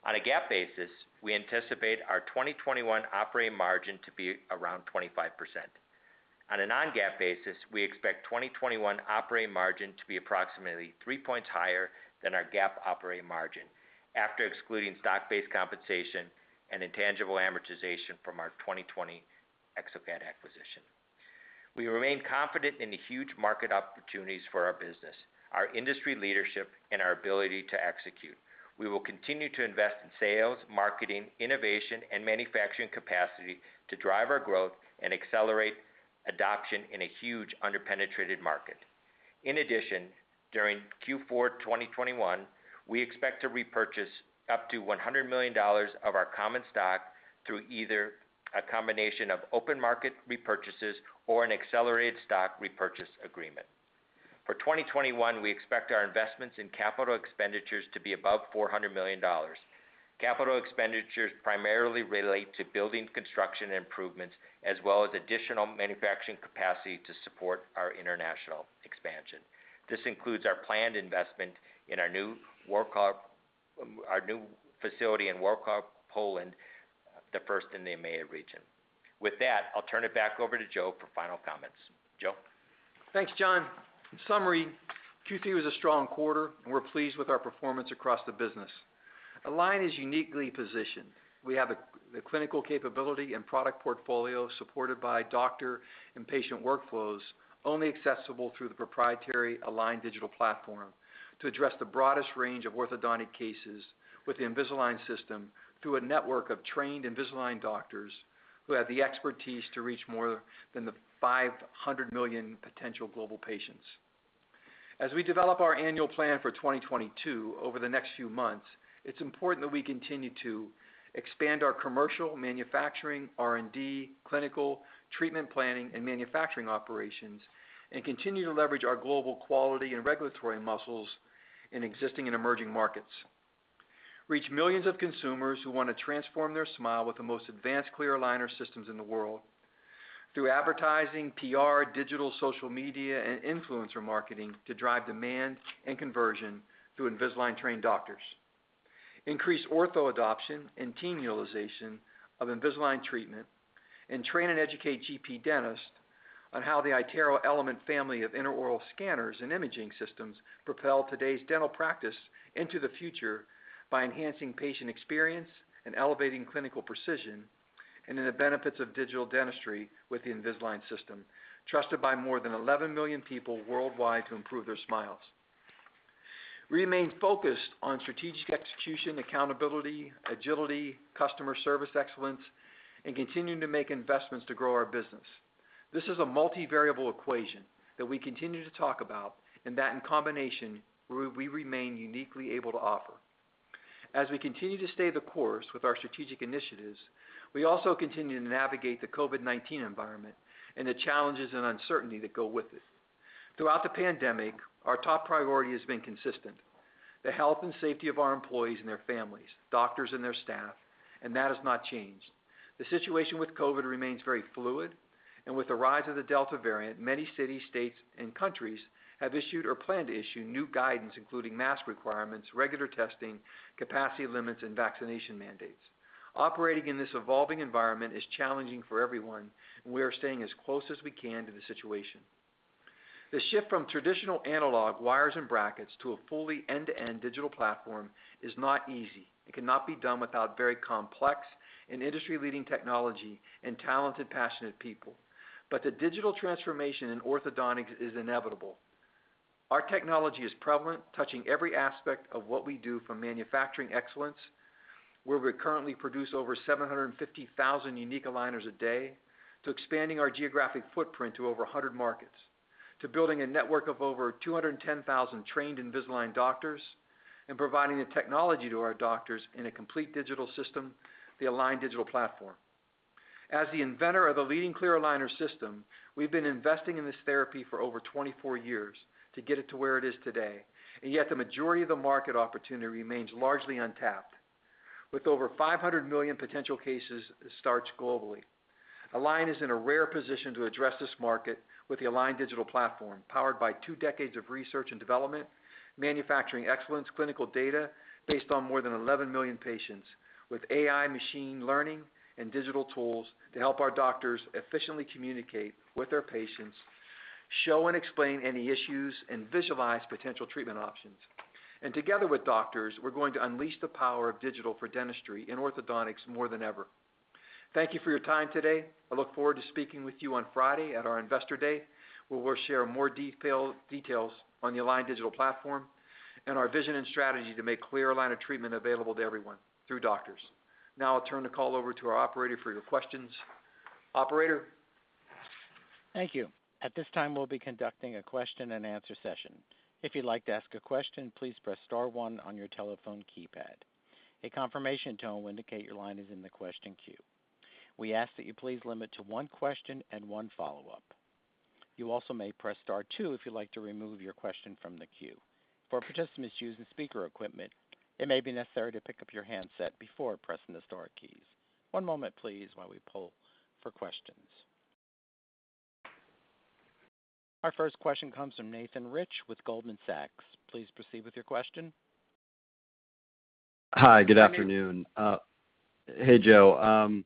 D: On a GAAP basis, we anticipate our 2021 operating margin to be around 25%. On a non-GAAP basis, we expect 2021 operating margin to be approximately 3 points higher than our GAAP operating margin, after excluding stock-based compensation and intangible amortization from our 2020 exocad acquisition. We remain confident in the huge market opportunities for our business, our industry leadership, and our ability to execute. We will continue to invest in sales, marketing, innovation, and manufacturing capacity to drive our growth and accelerate adoption in a huge under-penetrated market. In addition, during Q4 2021, we expect to repurchase up to $100 million of our common stock through either a combination of open market repurchases or an accelerated stock repurchase agreement. For 2021, we expect our investments in capital expenditures to be above $400 million. Capital expenditures primarily relate to building construction improvements, as well as additional manufacturing capacity to support our international expansion. This includes our planned investment in our new facility in Wrocław, Poland, the first in the EMEA region. With that, I'll turn it back over to Joe for final comments. Joe?
C: Thanks, John. In summary, Q3 was a strong quarter, and we're pleased with our performance across the business. Align is uniquely positioned. We have a clinical capability and product portfolio supported by doctor and patient workflows only accessible through the proprietary Align Digital Platform to address the broadest range of orthodontic cases with the Invisalign system through a network of trained Invisalign doctors who have the expertise to reach more than 500 million potential global patients. As we develop our annual plan for 2022 over the next few months, it's important that we continue to expand our commercial, manufacturing, R&D, clinical, treatment planning, and manufacturing operations and continue to leverage our global quality and regulatory muscles in existing and emerging markets. Reach millions of consumers who want to transform their smile with the most advanced clear aligner systems in the world through advertising, PR, digital, social media, and influencer marketing to drive demand and conversion through Invisalign-trained doctors. Increase ortho adoption and teen utilization of Invisalign treatment and train and educate GP dentists on how the iTero Element family of intraoral scanners and imaging systems propel today's dental practice into the future by enhancing patient experience and elevating clinical precision, and in the benefits of digital dentistry with the Invisalign system, trusted by more than 11 million people worldwide to improve their smiles. Remain focused on strategic execution, accountability, agility, customer service excellence, and continuing to make investments to grow our business. This is a multivariable equation that we continue to talk about and that, in combination, we remain uniquely able to offer. As we continue to stay the course with our strategic initiatives, we also continue to navigate the COVID-19 environment and the challenges and uncertainty that go with it. Throughout the pandemic, our top priority has been consistent, the health and safety of our employees and their families, doctors and their staff, and that has not changed. The situation with COVID remains very fluid, and with the rise of the Delta variant, many cities, states, and countries have issued or plan to issue new guidance, including mask requirements, regular testing, capacity limits, and vaccination mandates. Operating in this evolving environment is challenging for everyone. We are staying as close as we can to the situation. The shift from traditional analog wires and brackets to a fully end-to-end digital platform is not easy. It cannot be done without very complex and industry-leading technology and talented, passionate people. The digital transformation in orthodontics is inevitable. Our technology is prevalent, touching every aspect of what we do from manufacturing excellence, where we currently produce over 750,000 unique aligners a day, to expanding our geographic footprint to over 100 markets, to building a network of over 210,000 trained Invisalign doctors, and providing the technology to our doctors in a complete digital system, the Align Digital Platform. As the inventor of the leading clear aligner system, we've been investing in this therapy for over 24 years to get it to where it is today, and yet the majority of the market opportunity remains largely untapped. With over 500 million potential case starts globally. Align is in a rare position to address this market with the Align Digital Platform, powered by two decades of research and development, manufacturing excellence, clinical data based on more than 11 million patients with AI machine learning and digital tools to help our doctors efficiently communicate with their patients, show and explain any issues, and visualize potential treatment options. Together with doctors, we're going to unleash the power of digital for dentistry in orthodontics more than ever. Thank you for your time today. I look forward to speaking with you on Friday at our Investor Day, where we'll share more detail, details on the Align Digital Platform and our vision and strategy to make clear aligner treatment available to everyone through doctors. Now I'll turn the call over to our operator for your questions. Operator?
A: Thank you. At this time, we'll be conducting a question-and-answer session. If you'd like to ask a question, please press star one on your telephone keypad. A confirmation tone will indicate your line is in the question queue. We ask that you please limit to one question and one follow-up. You also may press star two if you'd like to remove your question from the queue. For participants using speaker equipment, it may be necessary to pick up your handset before pressing the star keys. One moment, please, while we pull for questions. Our first question comes from Nathan Rich with Goldman Sachs. Please proceed with your question.
E: Hi, good afternoon. Hey, Joe.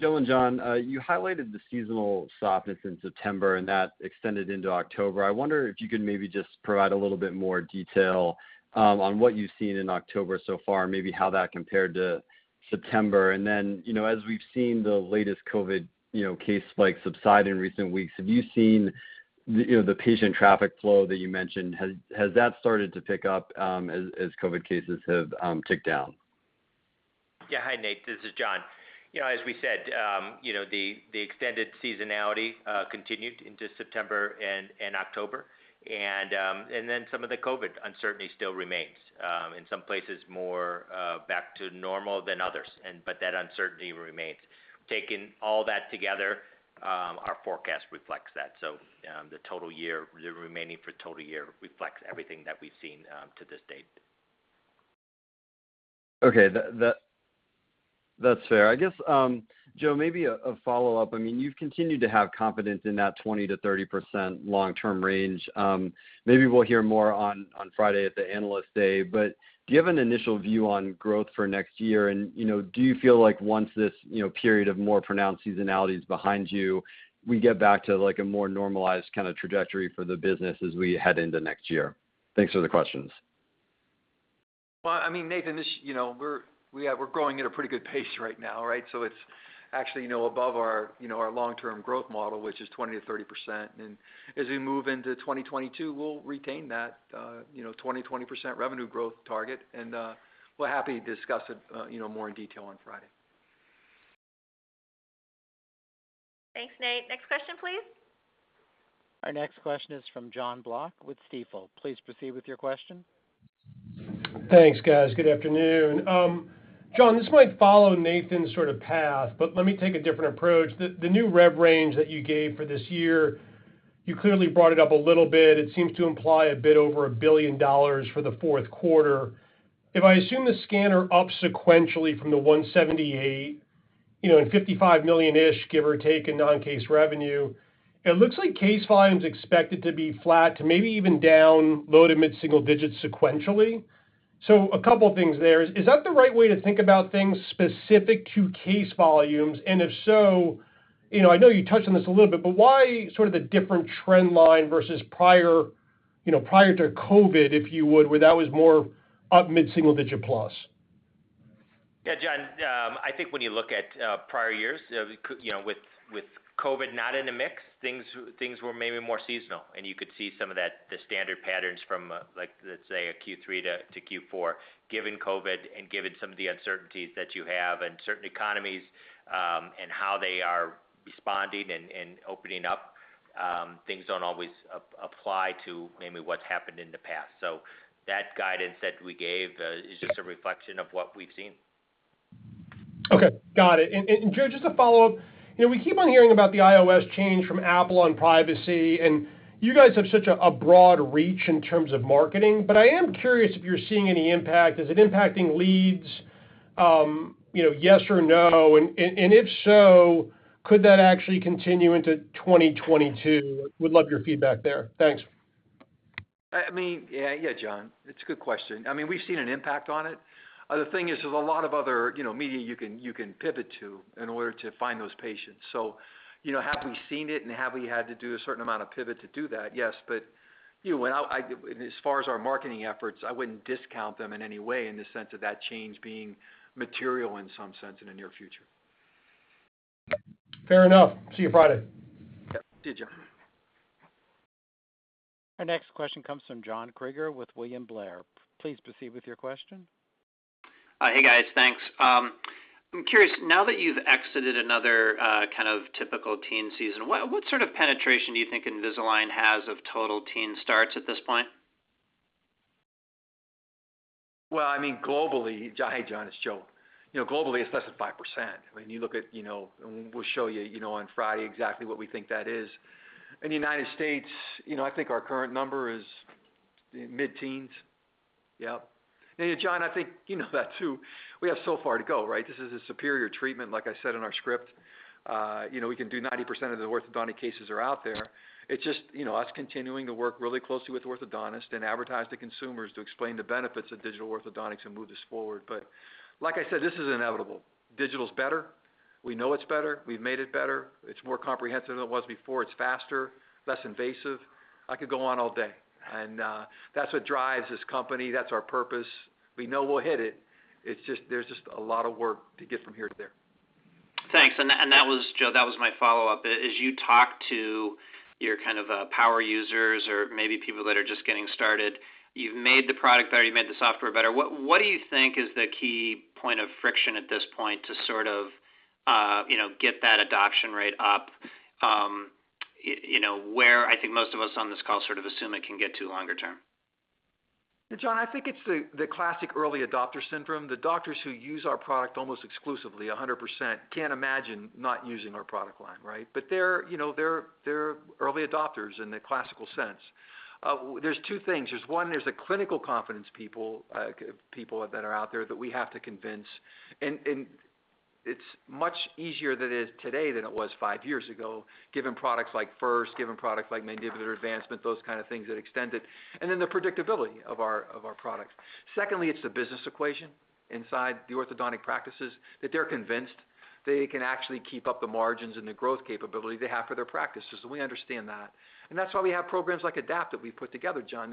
E: Joe and John, you highlighted the seasonal softness in September, and that extended into October. I wonder if you could maybe just provide a little bit more detail on what you've seen in October so far, and maybe how that compared to September. You know, as we've seen the latest COVID case spike subside in recent weeks, have you seen the patient traffic flow that you mentioned? Has that started to pick up as COVID cases have ticked down?
D: Yeah. Hi, Nate. This is John. You know, as we said, you know, the extended seasonality continued into September and October. Then some of the COVID uncertainty still remains in some places more back to normal than others. But that uncertainty remains. Taking all that together, our forecast reflects that. The total year, the remaining for total year reflects everything that we've seen to this date.
E: Okay. That's fair. I guess, Joe, maybe a follow-up. I mean, you've continued to have confidence in that 20%-30% long-term range. Maybe we'll hear more on Friday at the Analyst Day. Do you have an initial view on growth for next year? You know, do you feel like once this, you know, period of more pronounced seasonality is behind you, we get back to, like, a more normalized kind of trajectory for the business as we head into next year? Thanks for the questions.
C: Well, I mean, Nathan, this, you know, we're growing at a pretty good pace right now, right? It's actually, you know, above our, you know, our long-term growth model, which is 20%-30%. As we move into 2022, we'll retain that, you know, 20%-20% revenue growth target. We're happy to discuss it, you know, more in detail on Friday.
A: Thanks, Nate. Next question, please. Our next question is from Jonathan Block with Stifel. Please proceed with your question.
F: Thanks, guys. Good afternoon. John, this might follow Nathan's sort of path, but let me take a different approach. The new rev range that you gave for this year, you clearly brought it up a little bit. It seems to imply a bit over $1 billion for the fourth quarter. If I assume the scanner up sequentially from the $178 million, you know, and $55 million-ish, give or take, in non-case revenue, it looks like case volume is expected to be flat to maybe even down low- to mid-single digits sequentially. A couple of things there. Is that the right way to think about things specific to case volumes? If so, you know, I know you touched on this a little bit, but why sort of the different trend line versus prior, you know, prior to COVID, if you would, where that was more up mid-single-digit plus?
D: Yeah, John, I think when you look at prior years, you know, with COVID not in the mix, things were maybe more seasonal, and you could see some of that, the standard patterns from, like, let's say a Q3 to Q4. Given COVID and given some of the uncertainties that you have and certain economies, and how they are responding and opening up, things don't always apply to maybe what's happened in the past. That guidance that we gave is just a reflection of what we've seen.
F: Okay. Got it. Joe, just a follow-up. You know, we keep on hearing about the iOS change from Apple on privacy, and you guys have such a broad reach in terms of marketing, but I am curious if you're seeing any impact. Is it impacting leads? You know, yes or no? If so, could that actually continue into 2022? Would love your feedback there. Thanks.
C: I mean, yeah. Yeah, John, it's a good question. I mean, we've seen an impact on it. The thing is, there's a lot of other, you know, media you can pivot to in order to find those patients. You know, have we seen it, and have we had to do a certain amount of pivot to do that? Yes. You know, as far as our marketing efforts, I wouldn't discount them in any way in the sense of that change being material in some sense in the near future.
F: Fair enough. See you Friday.
C: Yeah. See you, John.
A: Our next question comes from John Kreger with William Blair. Please proceed with your question.
G: Hey, guys. Thanks. I'm curious, now that you've exited another kind of typical teen season, what sort of penetration do you think Invisalign has of total teen starts at this point?
C: Well, I mean, globally, John. Hey, John, it's Joe. You know, globally, it's less than 5%. I mean, you know, and we'll show you know, on Friday exactly what we think that is. In the United States, you know, I think our current number is mid-teens percentage. Yep. John, I think you know that, too. We have so far to go, right? This is a superior treatment, like I said in our script. You know, we can do 90% of the orthodontic cases that are out there. It's just, you know, us continuing to work really closely with orthodontists and advertise to consumers to explain the benefits of digital orthodontics and move this forward. Like I said, this is inevitable. Digital's better. We know it's better. We've made it better. It's more comprehensive than it was before. It's faster, less invasive. I could go on all day. That's what drives this company. That's our purpose. We know we'll hit it. It's just, there's just a lot of work to get from here to there.
G: Thanks. That was, Joe, my follow-up. As you talk to your kind of power users or maybe people that are just getting started, you've made the product better, you've made the software better. What do you think is the key point of friction at this point to sort of you know get that adoption rate up, you know, where I think most of us on this call sort of assume it can get to longer term?
C: John, I think it's the classic early adopter syndrome. The doctors who use our product almost exclusively 100% can't imagine not using our product line, right? They're early adopters in the classical sense. There's two things. There's one, there's the clinical confidence people that are out there that we have to convince. It's much easier today than it was five years ago, given products like First, given products like Mandibular Advancement, those kind of things that extend it, and then the predictability of our products. Secondly, it's the business equation inside the orthodontic practices that they're convinced they can actually keep up the margins and the growth capability they have for their practices, and we understand that. That's why we have programs like ADAPT that we've put together, John,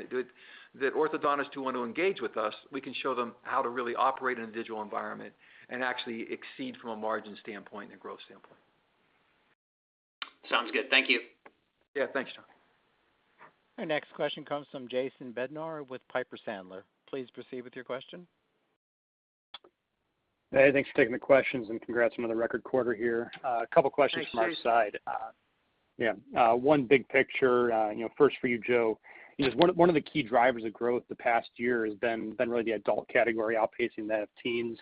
C: that orthodontists who want to engage with us, we can show them how to really operate in a digital environment and actually exceed from a margin standpoint and a growth standpoint.
G: Sounds good. Thank you.
C: Yeah. Thanks, John.
A: Our next question comes from Jason Bednar with Piper Sandler. Please proceed with your question.
H: Hey, thanks for taking the questions, and congrats on another record quarter here.
C: Thanks, Jason.
H: A couple questions from our side. Yeah, one big picture, you know, first for you, Joe, is one of the key drivers of growth the past year has been really the adult category outpacing that of teens.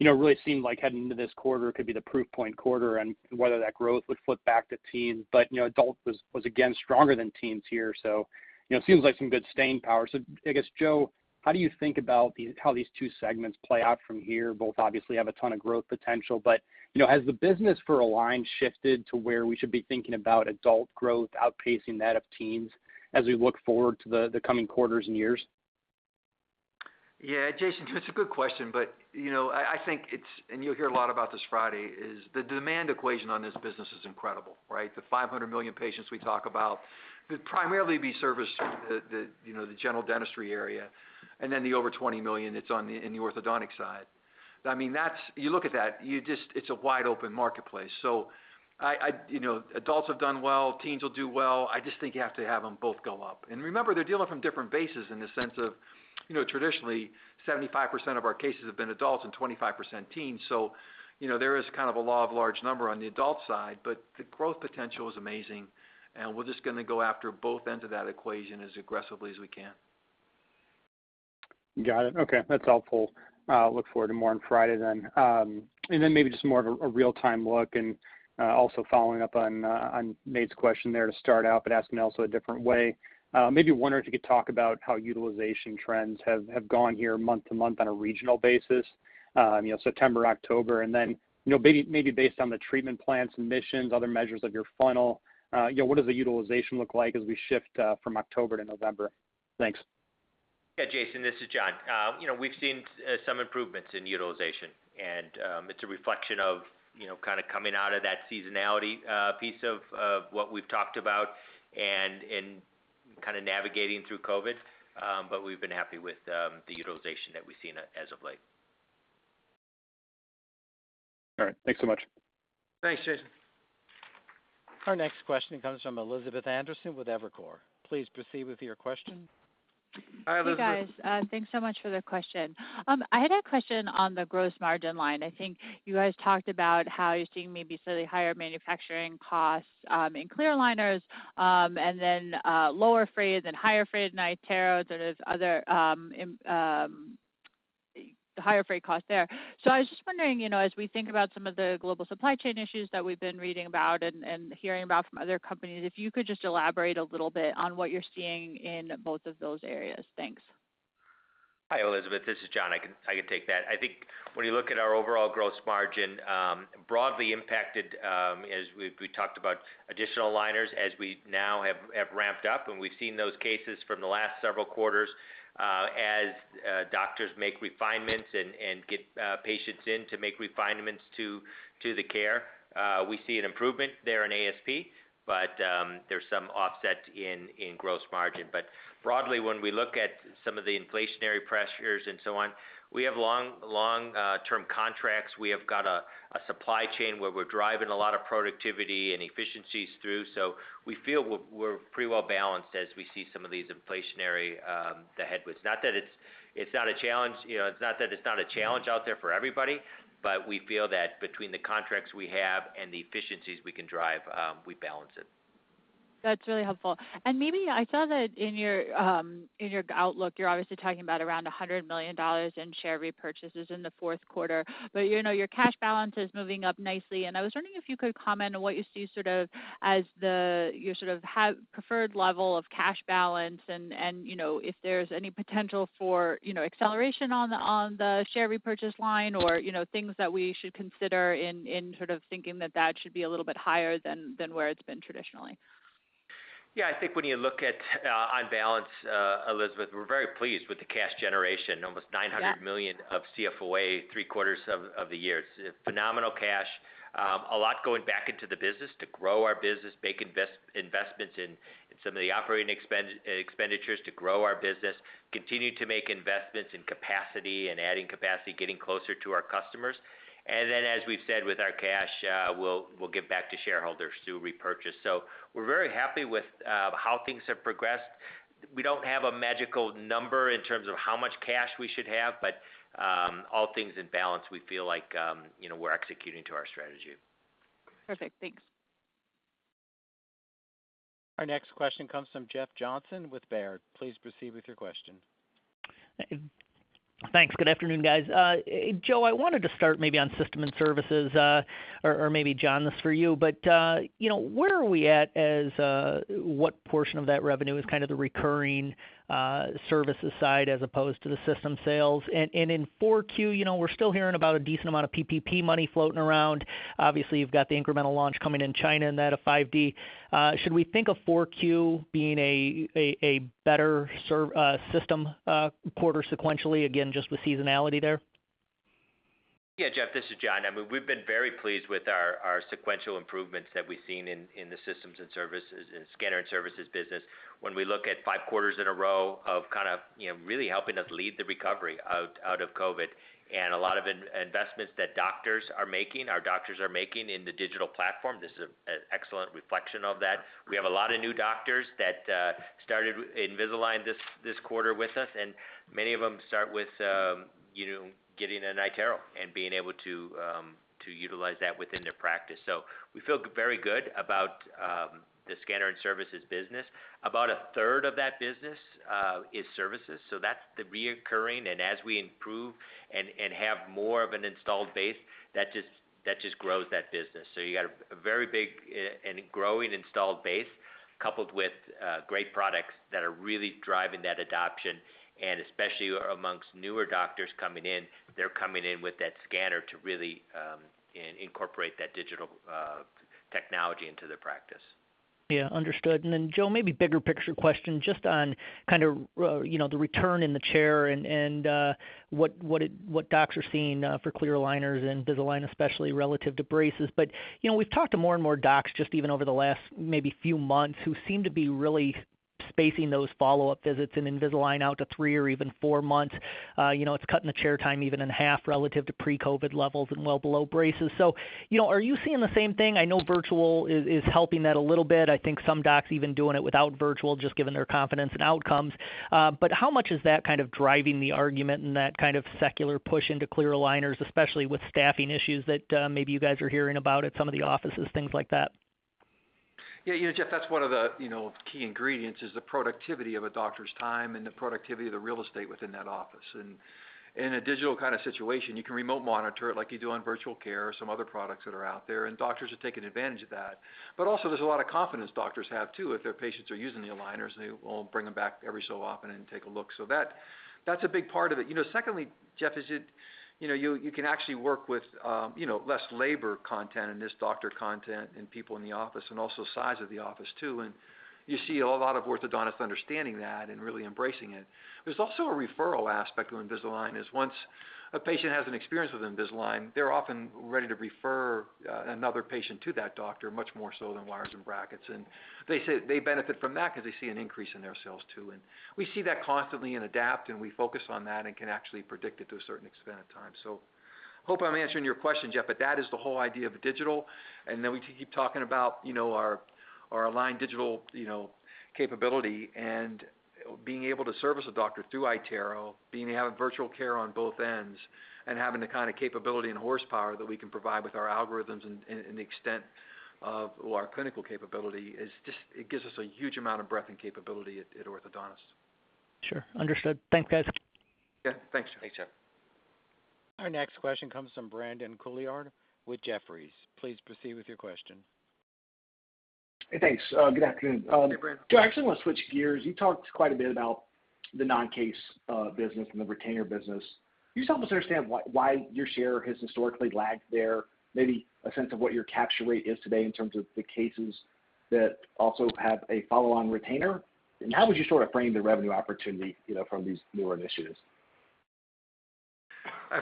H: You know, really seemed like heading into this quarter, it could be the proof point quarter on whether that growth would flip back to teens. You know, adult was again stronger than teens here, so, you know, seems like some good staying power. I guess, Joe, how do you think about these, how these two segments play out from here? Both obviously have a ton of growth potential, but, you know, has the business for Align shifted to where we should be thinking about adult growth outpacing that of teens as we look forward to the coming quarters and years?
C: Yeah, Jason, it's a good question. You know, I think it's, and you'll hear a lot about this Friday, is the demand equation on this business is incredible, right? The 500 million patients we talk about could primarily be serviced, you know, the general dentistry area, and then the over 20 million that's in the orthodontic side. I mean, that's. You look at that. It's a wide open marketplace. You know, adults have done well. Teens will do well. I just think you have to have them both go up. Remember, they're dealing from different bases in the sense of, you know, traditionally, 75% of our cases have been adults and 25% teens. You know, there is kind of a law of large number on the adult side, but the growth potential is amazing, and we're just gonna go after both ends of that equation as aggressively as we can.
H: Got it. Okay. That's helpful. I'll look forward to more on Friday then. And then maybe just more of a real-time look and on Nate's question there to start out, but ask it in a different way. Maybe wondering if you could talk about how utilization trends have gone here month to month on a regional basis, you know, September, October. And then, you know, maybe based on the treatment plans, admissions, other measures of your funnel, you know, what does the utilization look like as we shift from October to November? Thanks.
D: Yeah, Jason, this is John. You know, we've seen some improvements in utilization, and it's a reflection of, you know, kind of coming out of that seasonality piece of what we've talked about and kind of navigating through COVID. But we've been happy with the utilization that we've seen as of late.
H: All right. Thanks so much.
C: Thanks, Jason.
A: Our next question comes from Elizabeth Anderson with Evercore. Please proceed with your question.
C: Hi, Elizabeth.
I: Hey, guys. Thanks so much for the question. I had a question on the gross margin line. I think you guys talked about how you're seeing maybe slightly higher manufacturing costs in clear aligners, and then lower freight and higher freight in iTero. There's other. The higher freight cost there. I was just wondering, you know, as we think about some of the global supply chain issues that we've been reading about and hearing about from other companies, if you could just elaborate a little bit on what you're seeing in both of those areas. Thanks.
D: Hi, Elizabeth. This is John. I can take that. I think when you look at our overall gross margin, broadly impacted, as we've talked about additional aligners as we now have ramped up, and we've seen those cases from the last several quarters, as doctors make refinements and get patients in to make refinements to the care. We see an improvement there in ASP, but there's some offset in gross margin. Broadly, when we look at some of the inflationary pressures and so on, we have long-term contracts. We have got a supply chain where we're driving a lot of productivity and efficiencies through. We feel we're pretty well balanced as we see some of these inflationary headwinds. It's not a challenge, you know, it's not that it's not a challenge out there for everybody, but we feel that between the contracts we have and the efficiencies we can drive, we balance it.
I: That's really helpful. Maybe I saw that in your outlook, you're obviously talking about around $100 million in share repurchases in the fourth quarter. You know, your cash balance is moving up nicely, and I was wondering if you could comment on what you see sort of as the preferred level of cash balance and, you know, if there's any potential for, you know, acceleration on the share repurchase line or, you know, things that we should consider in sort of thinking that should be a little bit higher than where it's been traditionally.
D: Yeah. I think when you look at, on balance, Elizabeth, we're very pleased with the cash generation. Almost $900 million of CFOA three quarters of the year. Phenomenal cash, a lot going back into the business to grow our business, make investments in some of the operating expenditures to grow our business, continue to make investments in capacity and adding capacity, getting closer to our customers. As we've said with our cash, we'll give back to shareholders through repurchase. We're very happy with how things have progressed. We don't have a magical number in terms of how much cash we should have, but all things in balance, we feel like you know, we're executing to our strategy.
C: Perfect. Thanks.
A: Our next question comes from Jeff Johnson with Baird. Please proceed with your question.
J: Thanks. Good afternoon, guys. Joe, I wanted to start maybe on system and services, or maybe John, this is for you. You know, where are we at, what portion of that revenue is kind of the recurring services side as opposed to the system sales? In 4Q, you know, we're still hearing about a decent amount of PPP money floating around. Obviously, you've got the incremental launch coming in China and that of 5D. Should we think of 4Q being a better system quarter sequentially, again, just with seasonality there?
D: Yeah, Jeff, this is John. I mean, we've been very pleased with our sequential improvements that we've seen in the systems and services and scanner and services business. When we look at five quarters in a row of kind of, you know, really helping us lead the recovery out of COVID, and a lot of investments that our doctors are making in the digital platform, this is an excellent reflection of that. We have a lot of new doctors that started Invisalign this quarter with us, and many of them start with, you know, getting an iTero and being able to utilize that within their practice. So we feel very good about the scanner and services business. About a third of that business is services, so that's the recurring. As we improve and have more of an installed base, that just grows that business. You got a very big and growing installed base coupled with great products that are really driving that adoption, and especially amongst newer doctors coming in, they're coming in with that scanner to really incorporate that digital technology into their practice.
J: Yeah, understood. Joe, maybe bigger picture question just on kind of, you know, the return in the chair and what docs are seeing for clear aligners and Invisalign especially relative to braces. You know, we've talked to more and more docs just even over the last maybe few months who seem to be really spacing those follow-up visits in Invisalign out to three or even four months. You know, it's cutting the chair time even in half relative to pre-COVID levels and well below braces. You know, are you seeing the same thing? I know virtual is helping that a little bit. I think some docs even doing it without virtual, just given their confidence in outcomes. How much is that kind of driving the argument and that kind of secular push into clear aligners, especially with staffing issues that maybe you guys are hearing about at some of the offices, things like that?
C: Yeah. You know, Jeff, that's one of the, you know, key ingredients is the productivity of a doctor's time and the productivity of the real estate within that office. In a digital kind of situation, you can remote monitor it like you do on virtual care or some other products that are out there, and doctors are taking advantage of that. Also there's a lot of confidence doctors have too, if their patients are using the aligners, they will bring them back every so often and take a look. That, that's a big part of it. You know, secondly, Jeff, you know, you can actually work with, you know, less labor content and just doctor content and people in the office and also size of the office too. You see a lot of orthodontists understanding that and really embracing it. There's also a referral aspect of Invisalign. Once a patient has an experience with Invisalign, they're often ready to refer another patient to that doctor, much more so than wires and brackets. They say they benefit from that because they see an increase in their sales too. We see that constantly in ADAPT, and we focus on that and can actually predict it to a certain extent at times. Hope I'm answering your question, Jeff, but that is the whole idea of digital. We keep talking about, you know, our Align Digital, you know, capability and being able to service a doctor through iTero, having virtual care on both ends, and having the kind of capability and horsepower that we can provide with our algorithms and the extent of our clinical capability is just. It gives us a huge amount of breadth and capability at orthodontists.
J: Sure. Understood. Thanks, guys.
D: Yeah, thanks.
C: Thanks, Jeff.
A: Our next question comes from Brandon Couillard with Jefferies. Please proceed with your question.
K: Hey, thanks. Good afternoon.
C: Hey, Brandon.
K: Joe, I actually want to switch gears. You talked quite a bit about the non-case business and the retainer business. Can you just help us understand why your share has historically lagged there, maybe a sense of what your capture rate is today in terms of the cases that also have a follow-on retainer? And how would you sort of frame the revenue opportunity, you know, from these newer initiatives?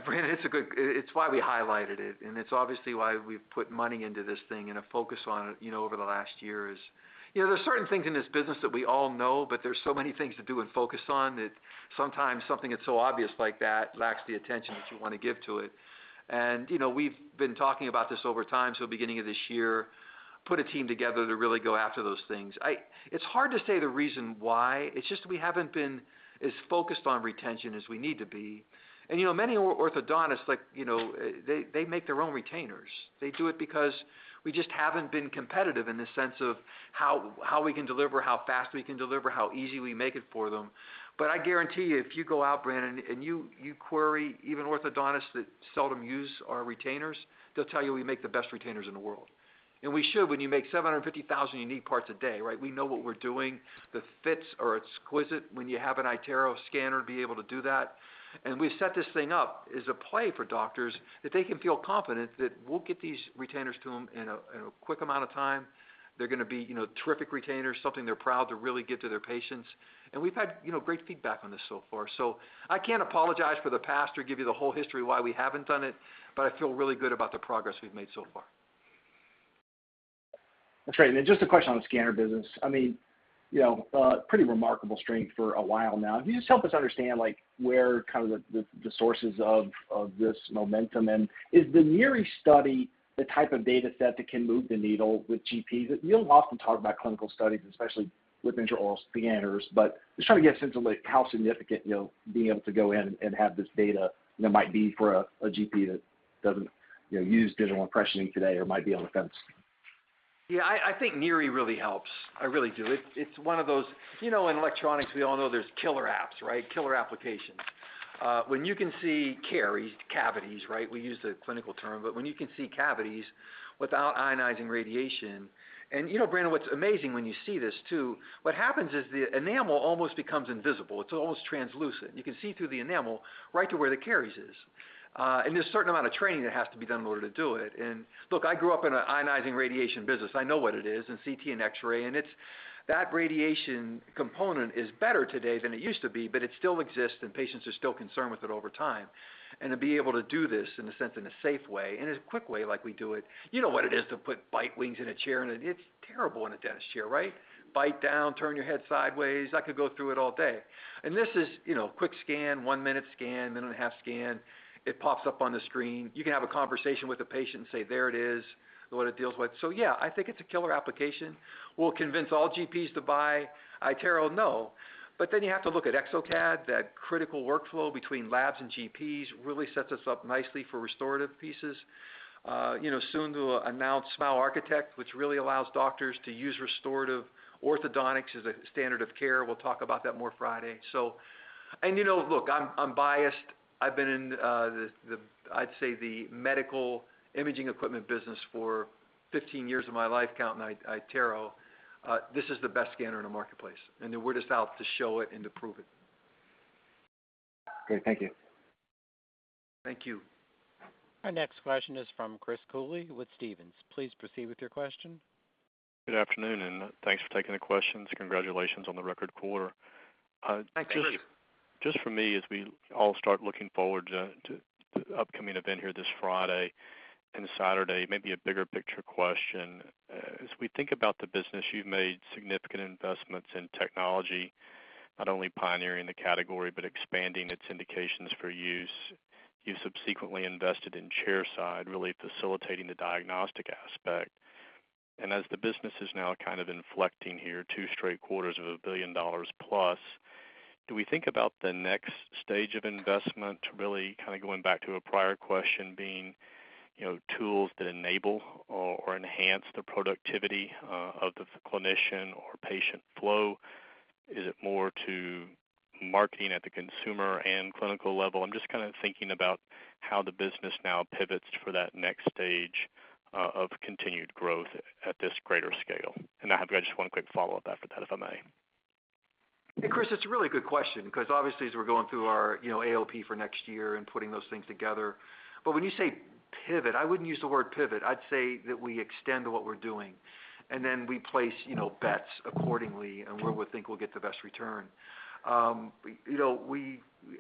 C: Brandon, it's why we highlighted it, and it's obviously why we've put money into this thing and a focus on it, you know, over the last years. You know, there are certain things in this business that we all know, but there's so many things to do and focus on that sometimes something that's so obvious like that lacks the attention that you wanna give to it. We've been talking about this over time. Beginning of this year, we put a team together to really go after those things. It's hard to say the reason why. It's just that we haven't been as focused on retention as we need to be. You know, many orthodontists, like, you know, they make their own retainers. They do it because we just haven't been competitive in the sense of how we can deliver, how fast we can deliver, how easy we make it for them. I guarantee you, if you go out, Brandon, and you query even orthodontists that seldom use our retainers, they'll tell you we make the best retainers in the world. We should when you make 750,000 unique parts a day, right? We know what we're doing. The fits are exquisite when you have an iTero scanner be able to do that. We set this thing up as a play for doctors that they can feel confident that we'll get these retainers to them in a quick amount of time. They're gonna be, you know, terrific retainers, something they're proud to really give to their patients. We've had, you know, great feedback on this so far. I can't apologize for the past or give you the whole history why we haven't done it, but I feel really good about the progress we've made so far.
K: That's right. Then just a question on the scanner business. I mean, you know, pretty remarkable strength for a while now. Can you just help us understand, like, where kind of the sources of this momentum and is the NIRI study the type of dataset that can move the needle with GPs? You don't often talk about clinical studies, especially with intraoral scanners, but just trying to get a sense of, like, how significant, you know, being able to go in and have this data, you know, might be for a GP that doesn't, you know, use digital impressioning today or might be on the fence.
C: Yeah, I think NIRI really helps. I really do. It's one of those. You know, in electronics, we all know there's killer apps, right? Killer applications. When you can see caries, cavities, right? We use the clinical term, but when you can see cavities without ionizing radiation. You know, Brandon, what's amazing when you see this too, what happens is the enamel almost becomes invisible. It's almost translucent. You can see through the enamel right to where the caries is. And there's a certain amount of training that has to be done in order to do it. Look, I grew up in an ionizing radiation business. I know what it is, in CT and X-ray, and it's, that radiation component is better today than it used to be, but it still exists, and patients are still concerned with it over time. To be able to do this in a sense, in a safe way and as quick way like we do it, you know what it is to put bite wings in a chair, and it's terrible in a dentist chair, right? Bite down, turn your head sideways. I could go through it all day. This is, you know, quick scan, 1-minute scan, 1.5-minute scan. It pops up on the screen. You can have a conversation with the patient and say, "There it is," what it deals with. Yeah, I think it's a killer application. Will it convince all GPs to buy iTero? No. But then you have to look at exocad, that critical workflow between labs and GPs really sets us up nicely for restorative pieces. You know, soon to announce Smile Architect, which really allows doctors to use restorative orthodontics as a standard of care. We'll talk about that more Friday. You know, look, I'm biased. I've been in the medical imaging equipment business for 15 years of my life counting iTero. This is the best scanner in the marketplace, and we're just out to show it and to prove it.
K: Great. Thank you.
C: Thank you.
A: Our next question is from Chris Cooley with Stephens. Please proceed with your question.
L: Good afternoon, and thanks for taking the questions. Congratulations on the record quarter.
C: Thanks, Chris.
L: Just for me as we all start looking forward to the upcoming event here this Friday and Saturday, maybe a bigger picture question. As we think about the business, you've made significant investments in technology, not only pioneering the category, but expanding its indications for use. You subsequently invested in chairside, really facilitating the diagnostic aspect. As the business is now kind of inflecting here two straight quarters of $1 billion plus, do we think about the next stage of investment really kinda going back to a prior question being, you know, tools that enable or enhance the productivity of the clinician or patient flow? Is it more to marketing at the consumer and clinical level? I'm just kinda thinking about how the business now pivots for that next stage of continued growth at this greater scale. I have just one quick follow-up after that, if I may.
C: Hey, Chris, it's a really good question because obviously, as we're going through our, you know, AOP for next year and putting those things together. When you say pivot, I wouldn't use the word pivot. I'd say that we extend what we're doing, and then we place, you know, bets accordingly on where we think we'll get the best return. You know,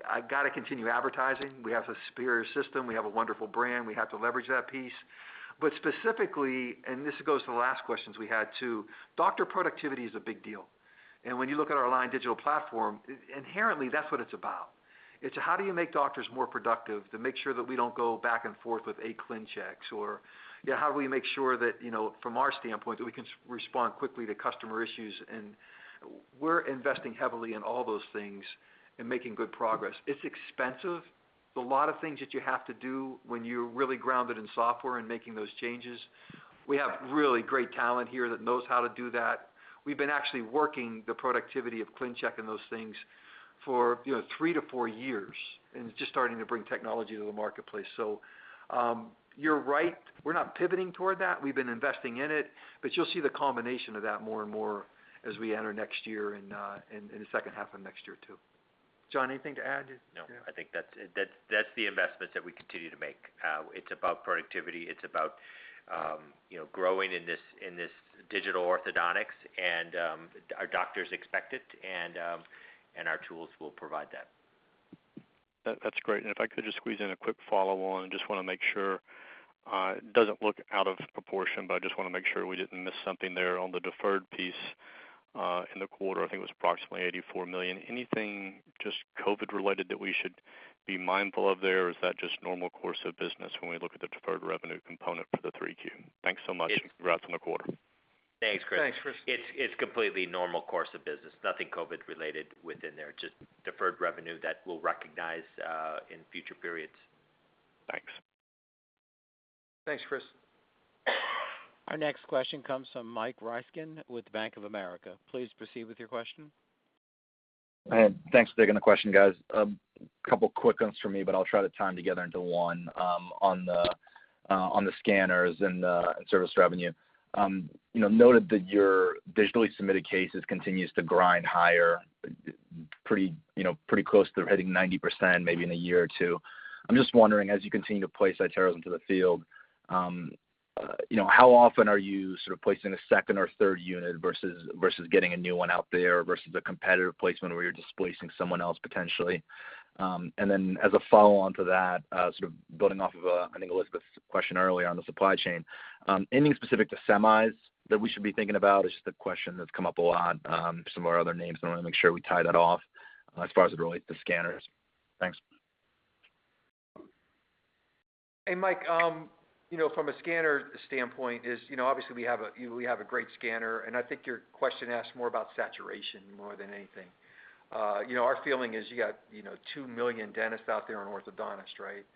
C: I gotta continue advertising. We have a superior system. We have a wonderful brand. We have to leverage that piece. Specifically, and this goes to the last questions we had too, doctor productivity is a big deal. When you look at our Align Digital Platform, inherently, that's what it's about. It's how do you make doctors more productive to make sure that we don't go back and forth with a ClinCheck or, you know, how do we make sure that, you know, from our standpoint, that we can respond quickly to customer issues? We're investing heavily in all those things and making good progress. It's expensive. There's a lot of things that you have to do when you're really grounded in software and making those changes. We have really great talent here that knows how to do that. We've been actually working on the productivity of ClinCheck and those things for, you know, three to four years, and it's just starting to bring technology to the marketplace. You're right, we're not pivoting toward that. We've been investing in it, but you'll see the culmination of that more and more as we enter next year and in the second half of next year, too. John, anything to add?
D: No, I think that's the investment that we continue to make. It's about productivity, it's about you know, growing in this digital orthodontics and our doctors expect it, and our tools will provide that.
L: That's great. If I could just squeeze in a quick follow on. Just wanna make sure it doesn't look out of proportion, but I just wanna make sure we didn't miss something there. On the deferred piece, in the quarter, I think it was approximately $84 million. Anything just COVID related that we should be mindful of there? Or is that just normal course of business when we look at the deferred revenue component for the 3Q? Thanks so much. Congrats on the quarter.
D: Thanks, Chris.
C: Thanks, Chris.
D: It's completely normal course of business. Nothing COVID related within there, just deferred revenue that we'll recognize in future periods.
L: Thanks.
C: Thanks, Chris.
A: Our next question comes from Michael Ryskin with Bank of America. Please proceed with your question.
M: Thanks for taking the question, guys. A couple of quick ones from me, but I'll try to tie them together into one. On the scanners and the service revenue, you know, I noted that your digitally submitted cases continues to grind higher, pretty, you know, pretty close to hitting 90% maybe in a year or two. I'm just wondering, as you continue to place iTero into the field, you know, how often are you sort of placing a second or third unit versus getting a new one out there versus a competitive placement where you're displacing someone else potentially? And then as a follow on to that, sort of building off of, I think Elizabeth's question earlier on the supply chain, anything specific to semis that we should be thinking about? It's just a question that's come up a lot, some of our other names, and I wanna make sure we tie that off, as far as it relates to scanners. Thanks.
C: Hey, Mike. You know, from a scanner standpoint, you know, obviously we have a great scanner, and I think your question asks more about saturation than anything. You know, our feeling is you got, you know, 2 million dentists out there and orthodontists, right?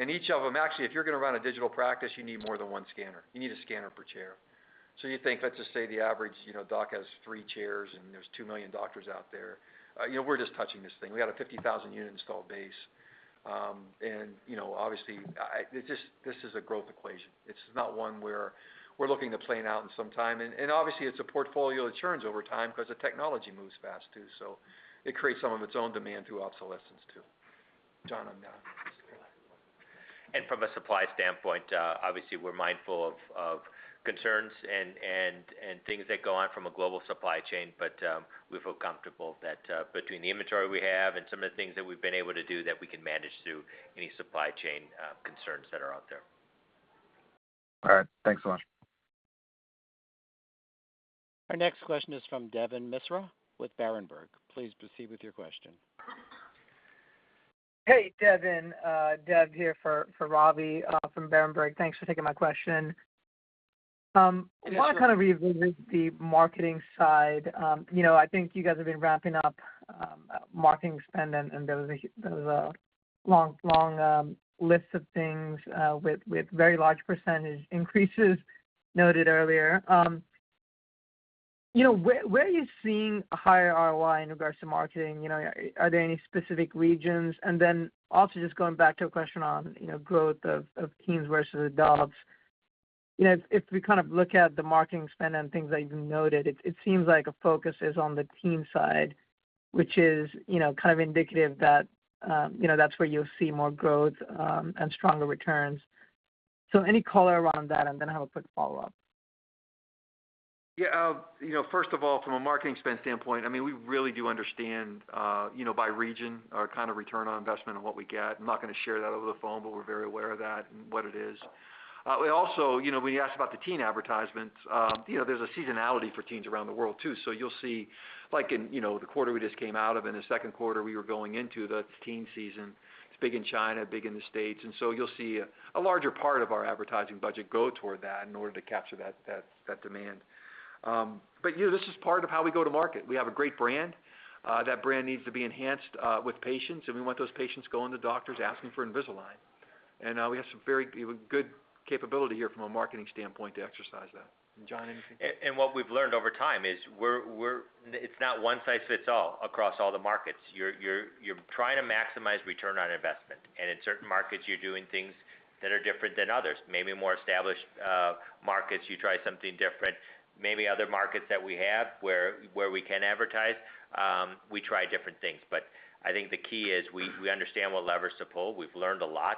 C: Each of them actually, if you're gonna run a digital practice, you need more than one scanner. You need a scanner per chair. You think, let's just say the average, you know, doc has three chairs, and there's 2 million doctors out there. You know, we're just touching this thing. We got a 50,000-unit installed base. You know, obviously, this is a growth equation. It's not one where we're looking to play out in some time. Obviously it's a portfolio that churns over time because the technology moves fast, too. It creates some of its own demand through obsolescence, too. John, on the scanner.
D: From a supply standpoint, obviously we're mindful of concerns and things that go on from a global supply chain. We feel comfortable that between the inventory we have and some of the things that we've been able to do, that we can manage through any supply chain concerns that are out there.
M: All right. Thanks a lot.
A: Our next question is from Devin Misra with Berenberg. Please proceed with your question.
N: Hey, Devin. Dev here for Ravi, from Berenberg. Thanks for taking my question.
C: Yeah, sure.
N: I wanna kind of review the marketing side. You know, I think you guys have been ramping up marketing spend and there was a long list of things with very large percentage increases noted earlier. You know, where are you seeing a higher ROI in regards to marketing? You know, are there any specific regions? Also just going back to a question on, you know, growth of teens versus adults. You know, if we kind of look at the marketing spend and things that you've noted, it seems like a focus is on the teen side, which is, you know, kind of indicative that, you know, that's where you'll see more growth and stronger returns. Any color around that? I have a quick follow up.
C: Yeah. You know, first of all, from a marketing spend standpoint, I mean, we really do understand, you know, by region, our kind of return on investment and what we get. I'm not gonna share that over the phone, but we're very aware of that and what it is. We also, you know, when you ask about the teen advertisements, you know, there's a seasonality for teens around the world, too. You'll see, like in, you know, the quarter we just came out of and the second quarter we were going into, the teen season. It's big in China, big in the States, and so you'll see a larger part of our advertising budget go toward that in order to capture that demand. But you know, this is part of how we go to market. We have a great brand. That brand needs to be enhanced with patients, and we want those patients going to doctors asking for Invisalign. We have a good capability here from a marketing standpoint to exercise that. John, anything?
D: What we've learned over time is, it's not one size fits all across all the markets. You're trying to maximize return on investment. In certain markets, you're doing things that are different than others. Maybe more established markets, you try something different. Maybe other markets that we have where we can advertise, we try different things. I think the key is we understand what levers to pull. We've learned a lot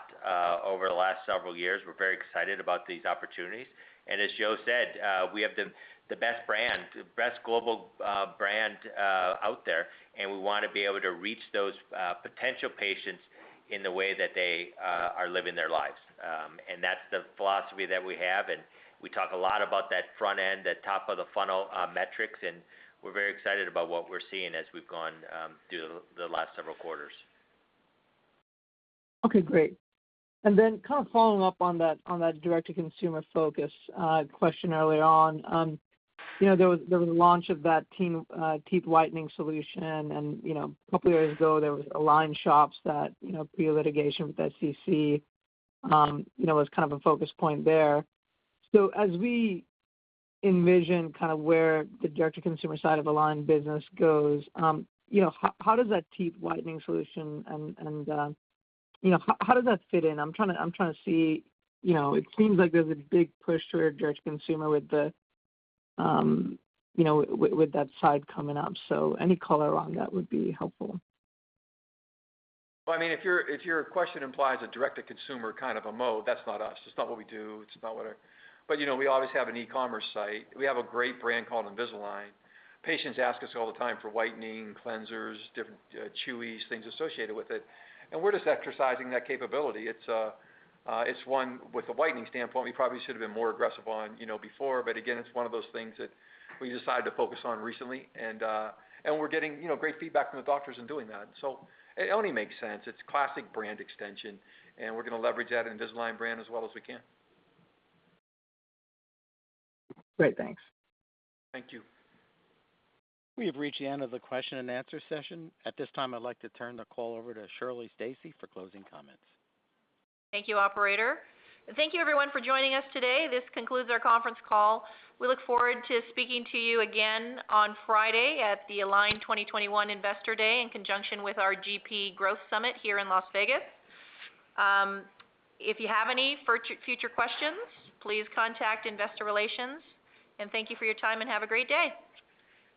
D: over the last several years. We're very excited about these opportunities. As Joe said, we have the best brand, the best global brand out there, and we wanna be able to reach those potential patients in the way that they are living their lives. That's the philosophy that we have. We talk a lot about that front end, that top of the funnel, metrics, and we're very excited about what we're seeing as we've gone through the last several quarters.
N: Okay, great. Then kind of following up on that direct to consumer focus question early on. You know, there was a launch of that teen teeth whitening solution and, you know, a couple of years ago, there was Align shops that, you know, pre-litigation with the SDC was kind of a focus point there. As we envision kind of where the direct to consumer side of Align business goes, you know, how does that teeth whitening solution and how does that fit in? I'm trying to see, you know, it seems like there's a big push toward direct to consumer with that side coming up. Any color around that would be helpful.
C: Well, I mean, if your question implies a direct to consumer kind of a mode, that's not us. It's not what we do. You know, we always have an e-commerce site. We have a great brand called Invisalign. Patients ask us all the time for whitening, cleansers, different chewies, things associated with it, and we're just exercising that capability. It's one with a whitening standpoint, we probably should have been more aggressive on, you know, before. Again, it's one of those things that we decided to focus on recently, and we're getting, you know, great feedback from the doctors in doing that. It only makes sense. It's classic brand extension, and we're gonna leverage that Invisalign brand as well as we can.
N: Great. Thanks.
C: Thank you.
A: We have reached the end of the question and answer session. At this time, I'd like to turn the call over to Shirley Stacy for closing comments.
B: Thank you, operator. Thank you everyone for joining us today. This concludes our conference call. We look forward to speaking to you again on Friday at the Align 2021 Investor Day in conjunction with our GP Growth Summit here in Las Vegas. If you have any future questions, please contact investor relations, and thank you for your time and have a great day.